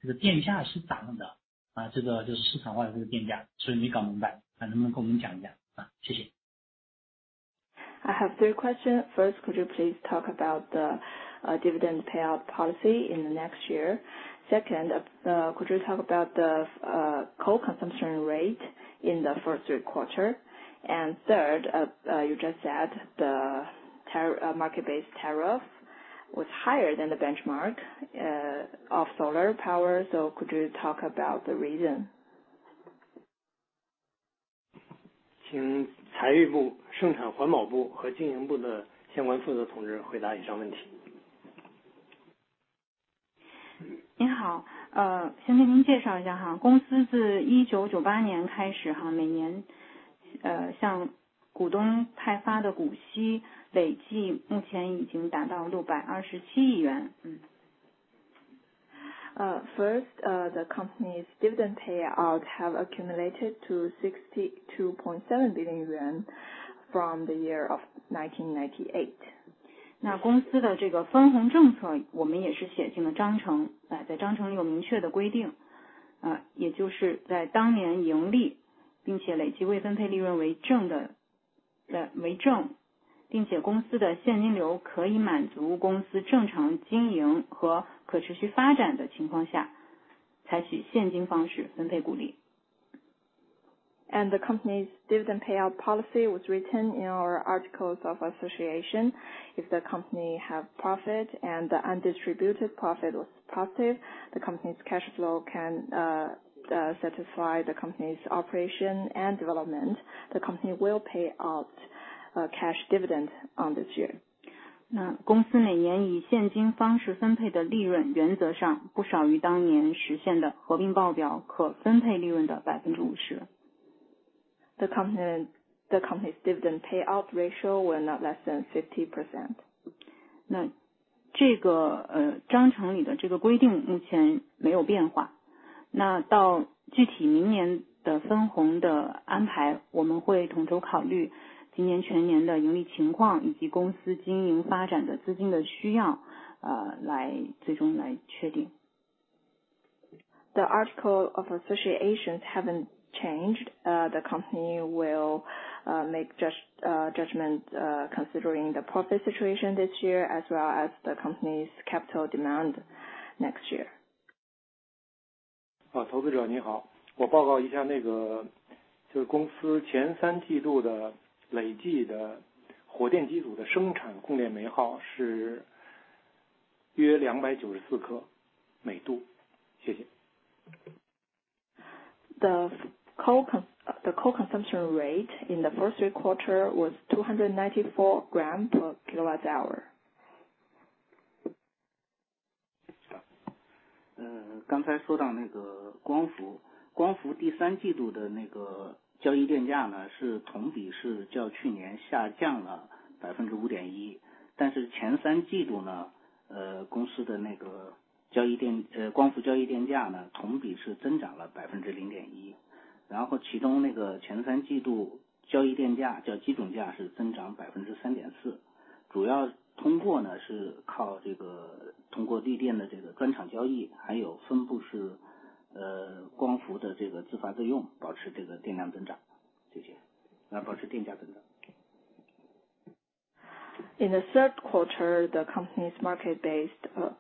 I have three questions. First, could you please talk about the dividend payout policy in the next year? Second, could you talk about the coal consumption rate in the first three quarter? And third, you just said the tariff, market-based tariff was higher than the benchmark of solar power. So could you talk about the reason? 请财务部、生产环保部和经营部的相关负责同志回答以上问题。你好，先跟你介绍一下。公司自1998年开始，每年向股东派发的股息累计目前已经达到CNY 627 billion。First, the company's dividend payout have accumulated to 62.7 billion yuan from the year of 1998. 那公司的这个分红政策，我们也是写进了章程，在章程里有关明确的规定，也就是在当年盈利，并且累计未分配利润为正的，为正，并且公司的现金流可以满足公司正常经营和可持续发展的情 况下，采取现金方式分配鼓励。The company's dividend payout policy was written in our articles of association. If the company have profit and the undistributed profit was positive, the company's cash flow can satisfy the company's operation and development, the company will pay out cash dividends on this year. 那公司每年以现金方式分配的利润，原则上不少于当年实现的合并报表可分配利润的50%。The company's dividend payout ratio will not less than 50%. 那这个，章程里的这个规定目前没有变化，那到具体明年的分红的安排，我们会统筹考虑今年全年的盈利情况，以及公司经营发展的资金的需要，来最终来确定。The articles of association haven't changed. The company will make judgment considering the profit situation this year, as well as the company's capital demand next year. 投资者，你好，我报告一下，那个就是公司前三季度的累计的火电机组的生产供电煤耗是约294克每度，谢谢。The coal consumption rate in the first three quarters was 294 grams per kWh. Just now mentioned the PV. The PV third quarter trading electricity price was 5.1% lower year-over-year compared to last year, but for the first three quarters, the company's trading electricity, PV trading electricity price increased 0.1% year-over-year. Then, among them, the first three quarters trading electricity price increased 3.4% compared to the benchmark price, mainly through relying on this through the local electricity's special transaction, also distributed PV's self-generate self-use, maintain the electricity volume growth. Thank you. Maintain electricity price growth. In the third quarter, the company's market-based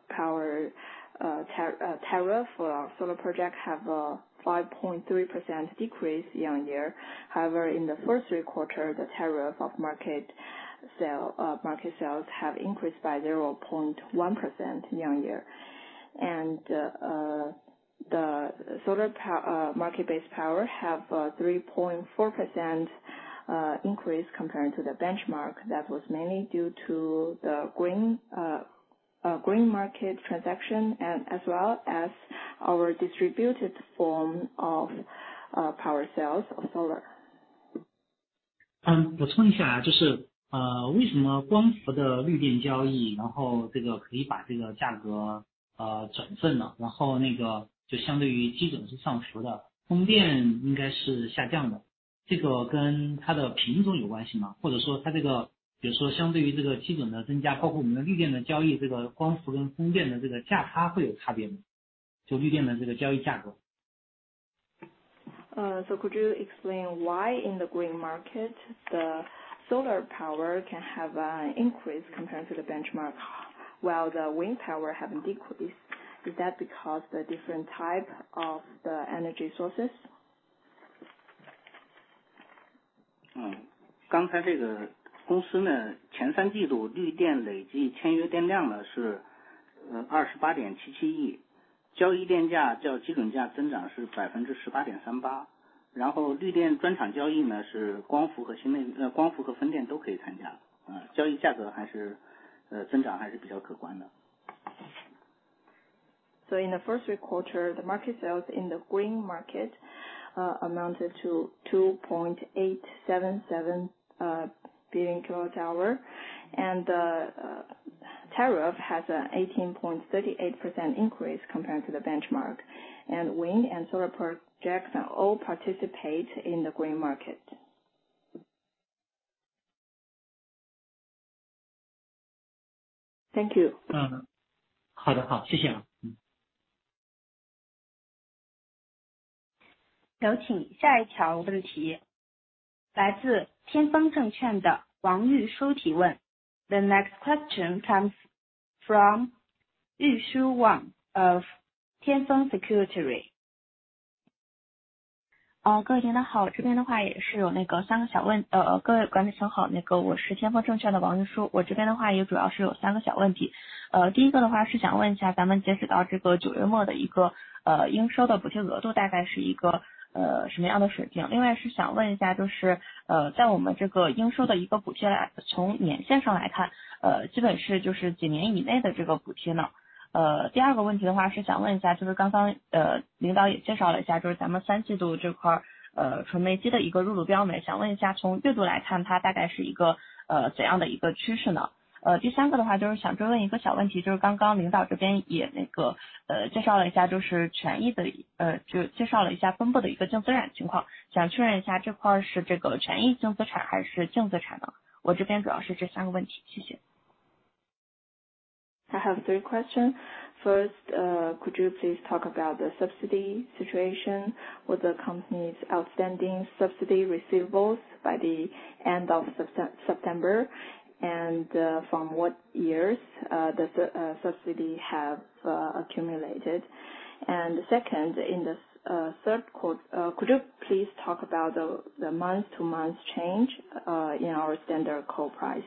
power tariff for our solar project have a 5.3% decrease year-on-year. However, in the first three quarter, the tariff of market sale market sales have increased by 0.1% year-on-year. The solar market-based power have a 3.4% increase compared to the benchmark. That was mainly due to the green green market transaction and as well as our distributed form of power sales of solar. 我重新再来，就是，为什么光伏的绿电交易，然后这个可以把这个价格，转正呢？然后那个就相对于基准是上浮的，风电应该是下降的，这个跟它的平均中有关系吗？或者说它这个，比如说相对于这个基准的增加，包括我们的绿电的交易，这个光伏跟风电的这个价差会有差别吗？就绿电的这个交易价格。So, could you explain why in the green market, the solar power can have an increase compared to the benchmark, while the wind power have decreased? Is that because the different type of the energy sources? 刚才这个公司呢，前三季度绿电累计签约电量呢，是28.77亿，交易电价较基准价增长是18.38%，然后绿电专场交易呢，是光伏和风电，光伏和风电都可以参加。交易价格还是，增长还是比较可观的。In the first three quarters, the market sales in the green market amounted to 2.877 billion kWh, and the tariff has an 18.38% increase compared to the benchmark, and wind and solar projects all participate in the green market. Thank you. 好的，好，谢谢啊。请下一条问题，来自天风证券的王玉书提问。The next question comes from Wang Yusi of Tianfeng Securities. 各位领导好，这边的话也是有那三个小问... Hello everyone. I am Wang Yusi from Tianfeng Securities. I mainly have three small questions here. The first one is to ask, up to the end of September, the receivable subsidy amount is approximately what level? Additionally, I want to ask, for our receivable subsidies, in terms of years, basically it is subsidies within a few years. The second question is to ask, just now the leader also introduced a bit, for our third quarter part, the pure coal unit's input standard coal, want to ask, from a monthly perspective, what is the approximate trend? The third one is to ask another small question, just now the leader here also introduced a bit, the equity's, introduced the segment's net asset situation, want to confirm if this is equity net assets or net assets? I mainly have these three questions here. Thank you. I have three questions. First, could you please talk about the subsidy situation with the company's outstanding subsidy receivables by the end of September, and from what years the subsidy have accumulated? And second, in this third quarter, could you please talk about the month-to-month change in our standard coal price?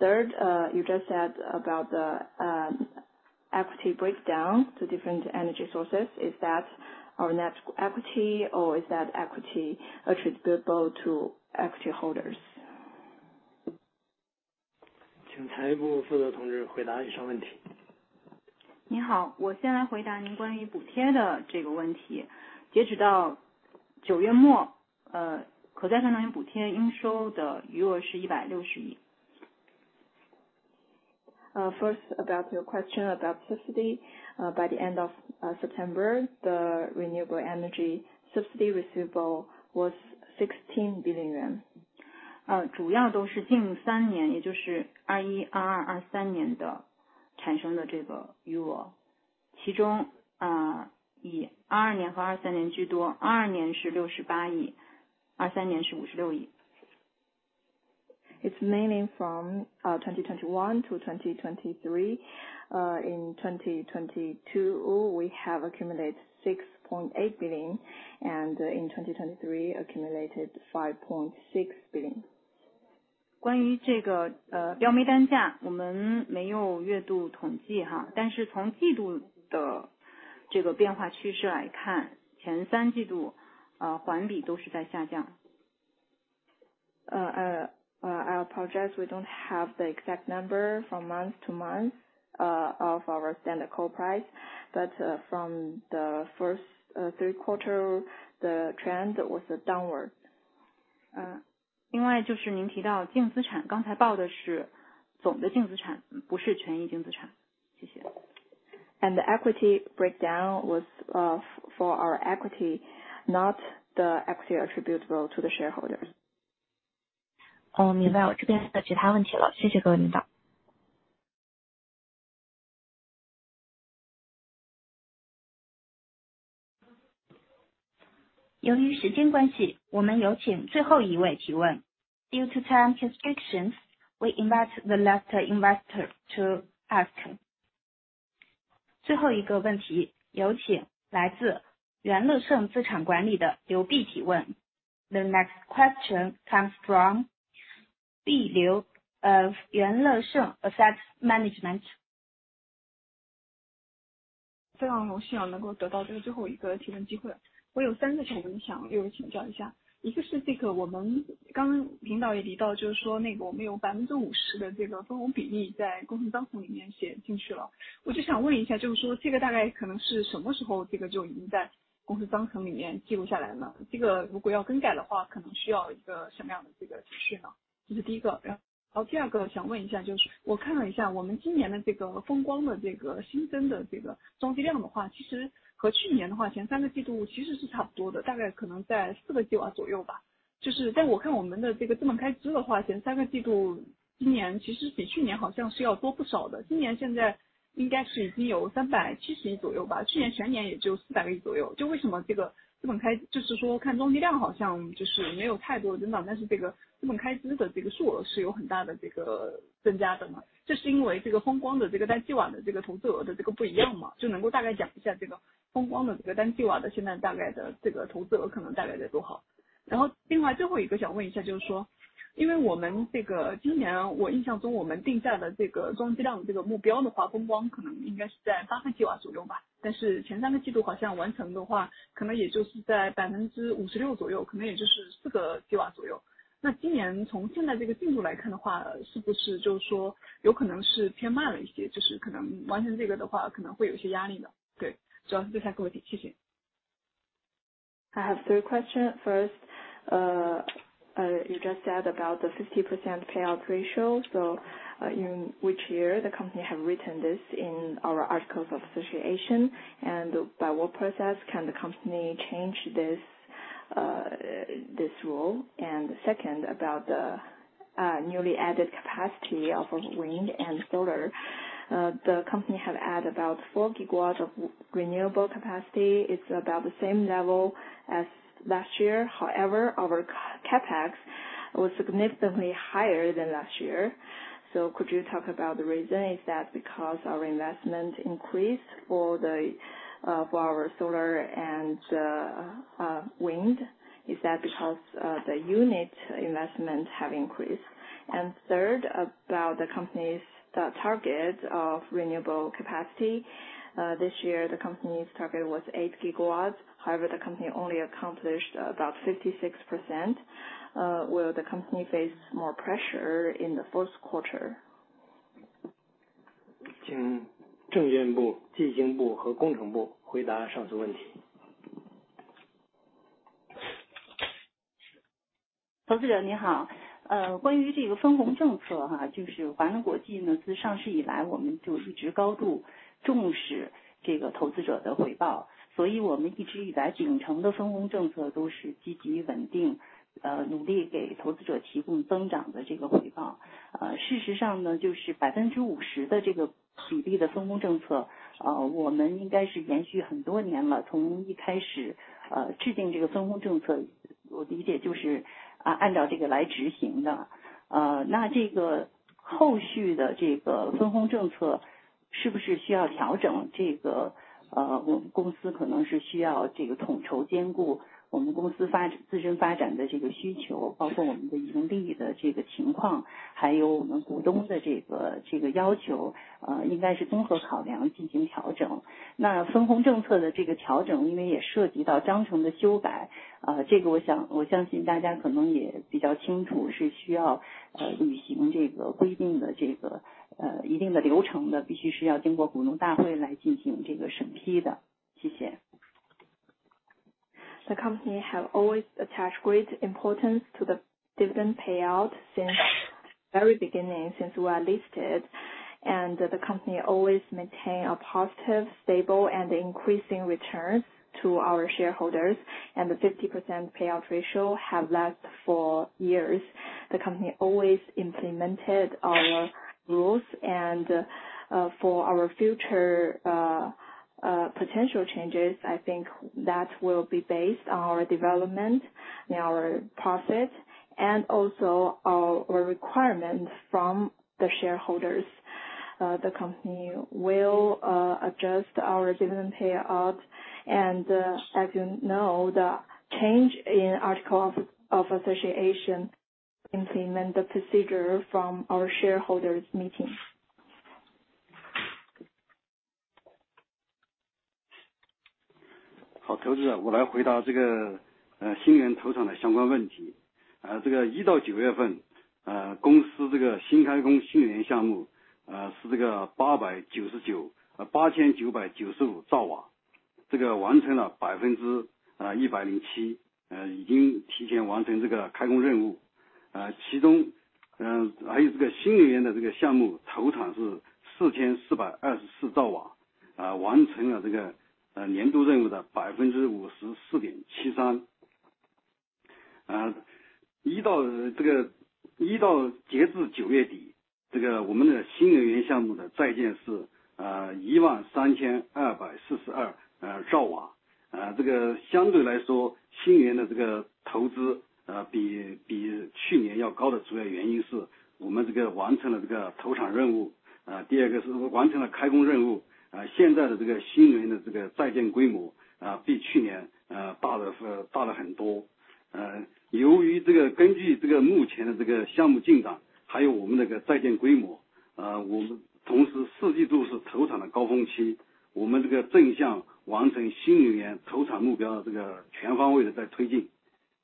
Third, you just said about the equity breakdown to different energy sources. Is that our net equity or is that equity attributable to equity holders? 请财务部负责同志回答以上问题。你好，我先来回答您关于补贴的这个问题。截止到九月末，可再生能源补贴应收的余额是 CNY 160 亿。First, about your question about subsidy. By the end of September, the renewable energy subsidy receivable was CNY 16 billion. 主要都是近三年，也就是2021、2022、2023年产生的这个余额，其中，以2022年和2023年居多，2022年是68亿，2023年是56亿。It's mainly from 2021 to 2023. In 2022, we have accumulated 6.8 billion, and in 2023 accumulated 5.6 billion. 关于这个，标煤单价，我们没有月度统计哈，但是从季度的这个变化趋势来看，前三季度，环比都是在下降。I apologize. We don't have the exact number from month to month of our standard coal price, but from the first three quarter, the trend was downward. 另外就是您提到净资产，刚才报的是总的净资产，不是权益净资产。谢谢。The equity breakdown was for our equity, not the equity attributable to the shareholders. 哦，明白了，我这边没有其他问题了。谢谢各位领导。由于时间关系，我们有请最后一位提问。Due to time restrictions, we invite the last investor to ask. 最后一个问题有请来自元乐盛资产管理的刘碧提问。The next question comes from Liu Bi of Yuanlesheng Asset Management. 这是第一个。然后第二个想问一下，就是我看了一下，我们今年的这个风光的这个新增的这个装机量的话，其实和去年的话，前3个季度其实是差不多的，大概可能在4个吉瓦左右吧。就是但是我看我们的这个资本开支的话，前3个季度，今年其实比去年好像是要多不少的，今年现在应该是已经有CNY 37 billion左右吧，去年全年也就CNY 40 billion左右。就为什么这个资本开支，就是说看装机量好像就是没有太多的增长，但是这个资本开支的这个数额是有很大的这个增加的呢？这是因为这个风光的这个单吉瓦的这个投资额的这个不一样嘛，就能够大概讲一下这个风光的这个单吉瓦的现在大概的这个投资额可能大概在多少。然后另外最后一个想问一下，就是说因为我们这个今年我印象中我们定下的这个装机量的这个目标的话，风光可能应该是8个吉瓦左右吧，但是前3个季度好像完成的话，可能也就是在56%左右，可能也就是4个吉瓦左右。那今年从现在这个进度来看的话，是不是就是说有可能 是偏慢了一些，就是可能完成这个的话，可能会有一些压力的。对，主要是这3个问题，谢谢。I have three question, first, you just said about the 50% payout ratio, so in which year the company have written this in our articles of association, and by what process can the company change this, this rule? And second, about the newly added capacity of wind and solar. The company have added about 4 GW of renewable capacity. It's about the same level as last year. However, our CapEx was significantly higher than last year. So could you talk about the reason? Is that because our investment increased for the, for our solar and, wind? Is that because, the unit investment have increased? And third, about the company's target of renewable capacity. This year, the company's target was 8 GW, however, the company only accomplished about 56%. Will the company face more pressure in the fourth quarter? 请验证部、计经部和工程部回答上述问题。The company have always attach great importance to the dividend payout since very beginning, since we are listed, and the company always maintain a positive, stable and increasing returns to our shareholders, and the 50% payout ratio have lasted for years. The company always implemented our rules and for our future, potential changes, I think that will be based on our development and our profit, and also our requirements from the shareholders. The company will adjust our dividend payout. As you know, the change in articles of association implement the procedure from our shareholders meeting.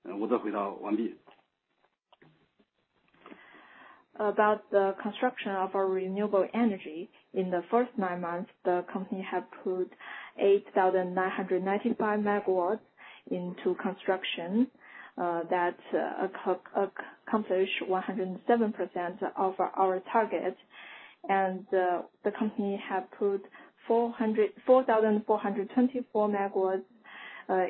About the construction of our renewable energy. In the first nine months, the company have put 8,995 MW into construction, that accomplish 107% of our targets, and the company have put 4,424 MW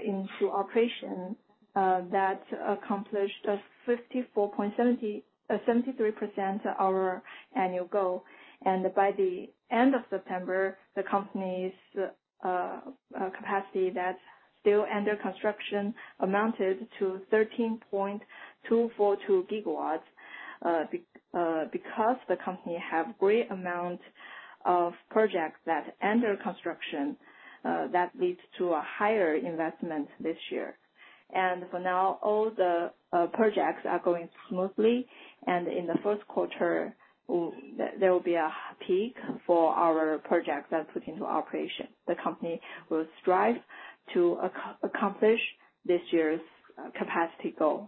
into operation, that accomplished 54.73% our annual goal. And by the end of September, the company's capacity that's still under construction amounted to 13.242 GW. Because the company have great amount of projects that under construction, that leads to a higher investment this year. And for now, all the projects are going smoothly, and in the first quarter there will be a peak for our projects that put into operation. The company will strive to accomplish this year's capacity goal.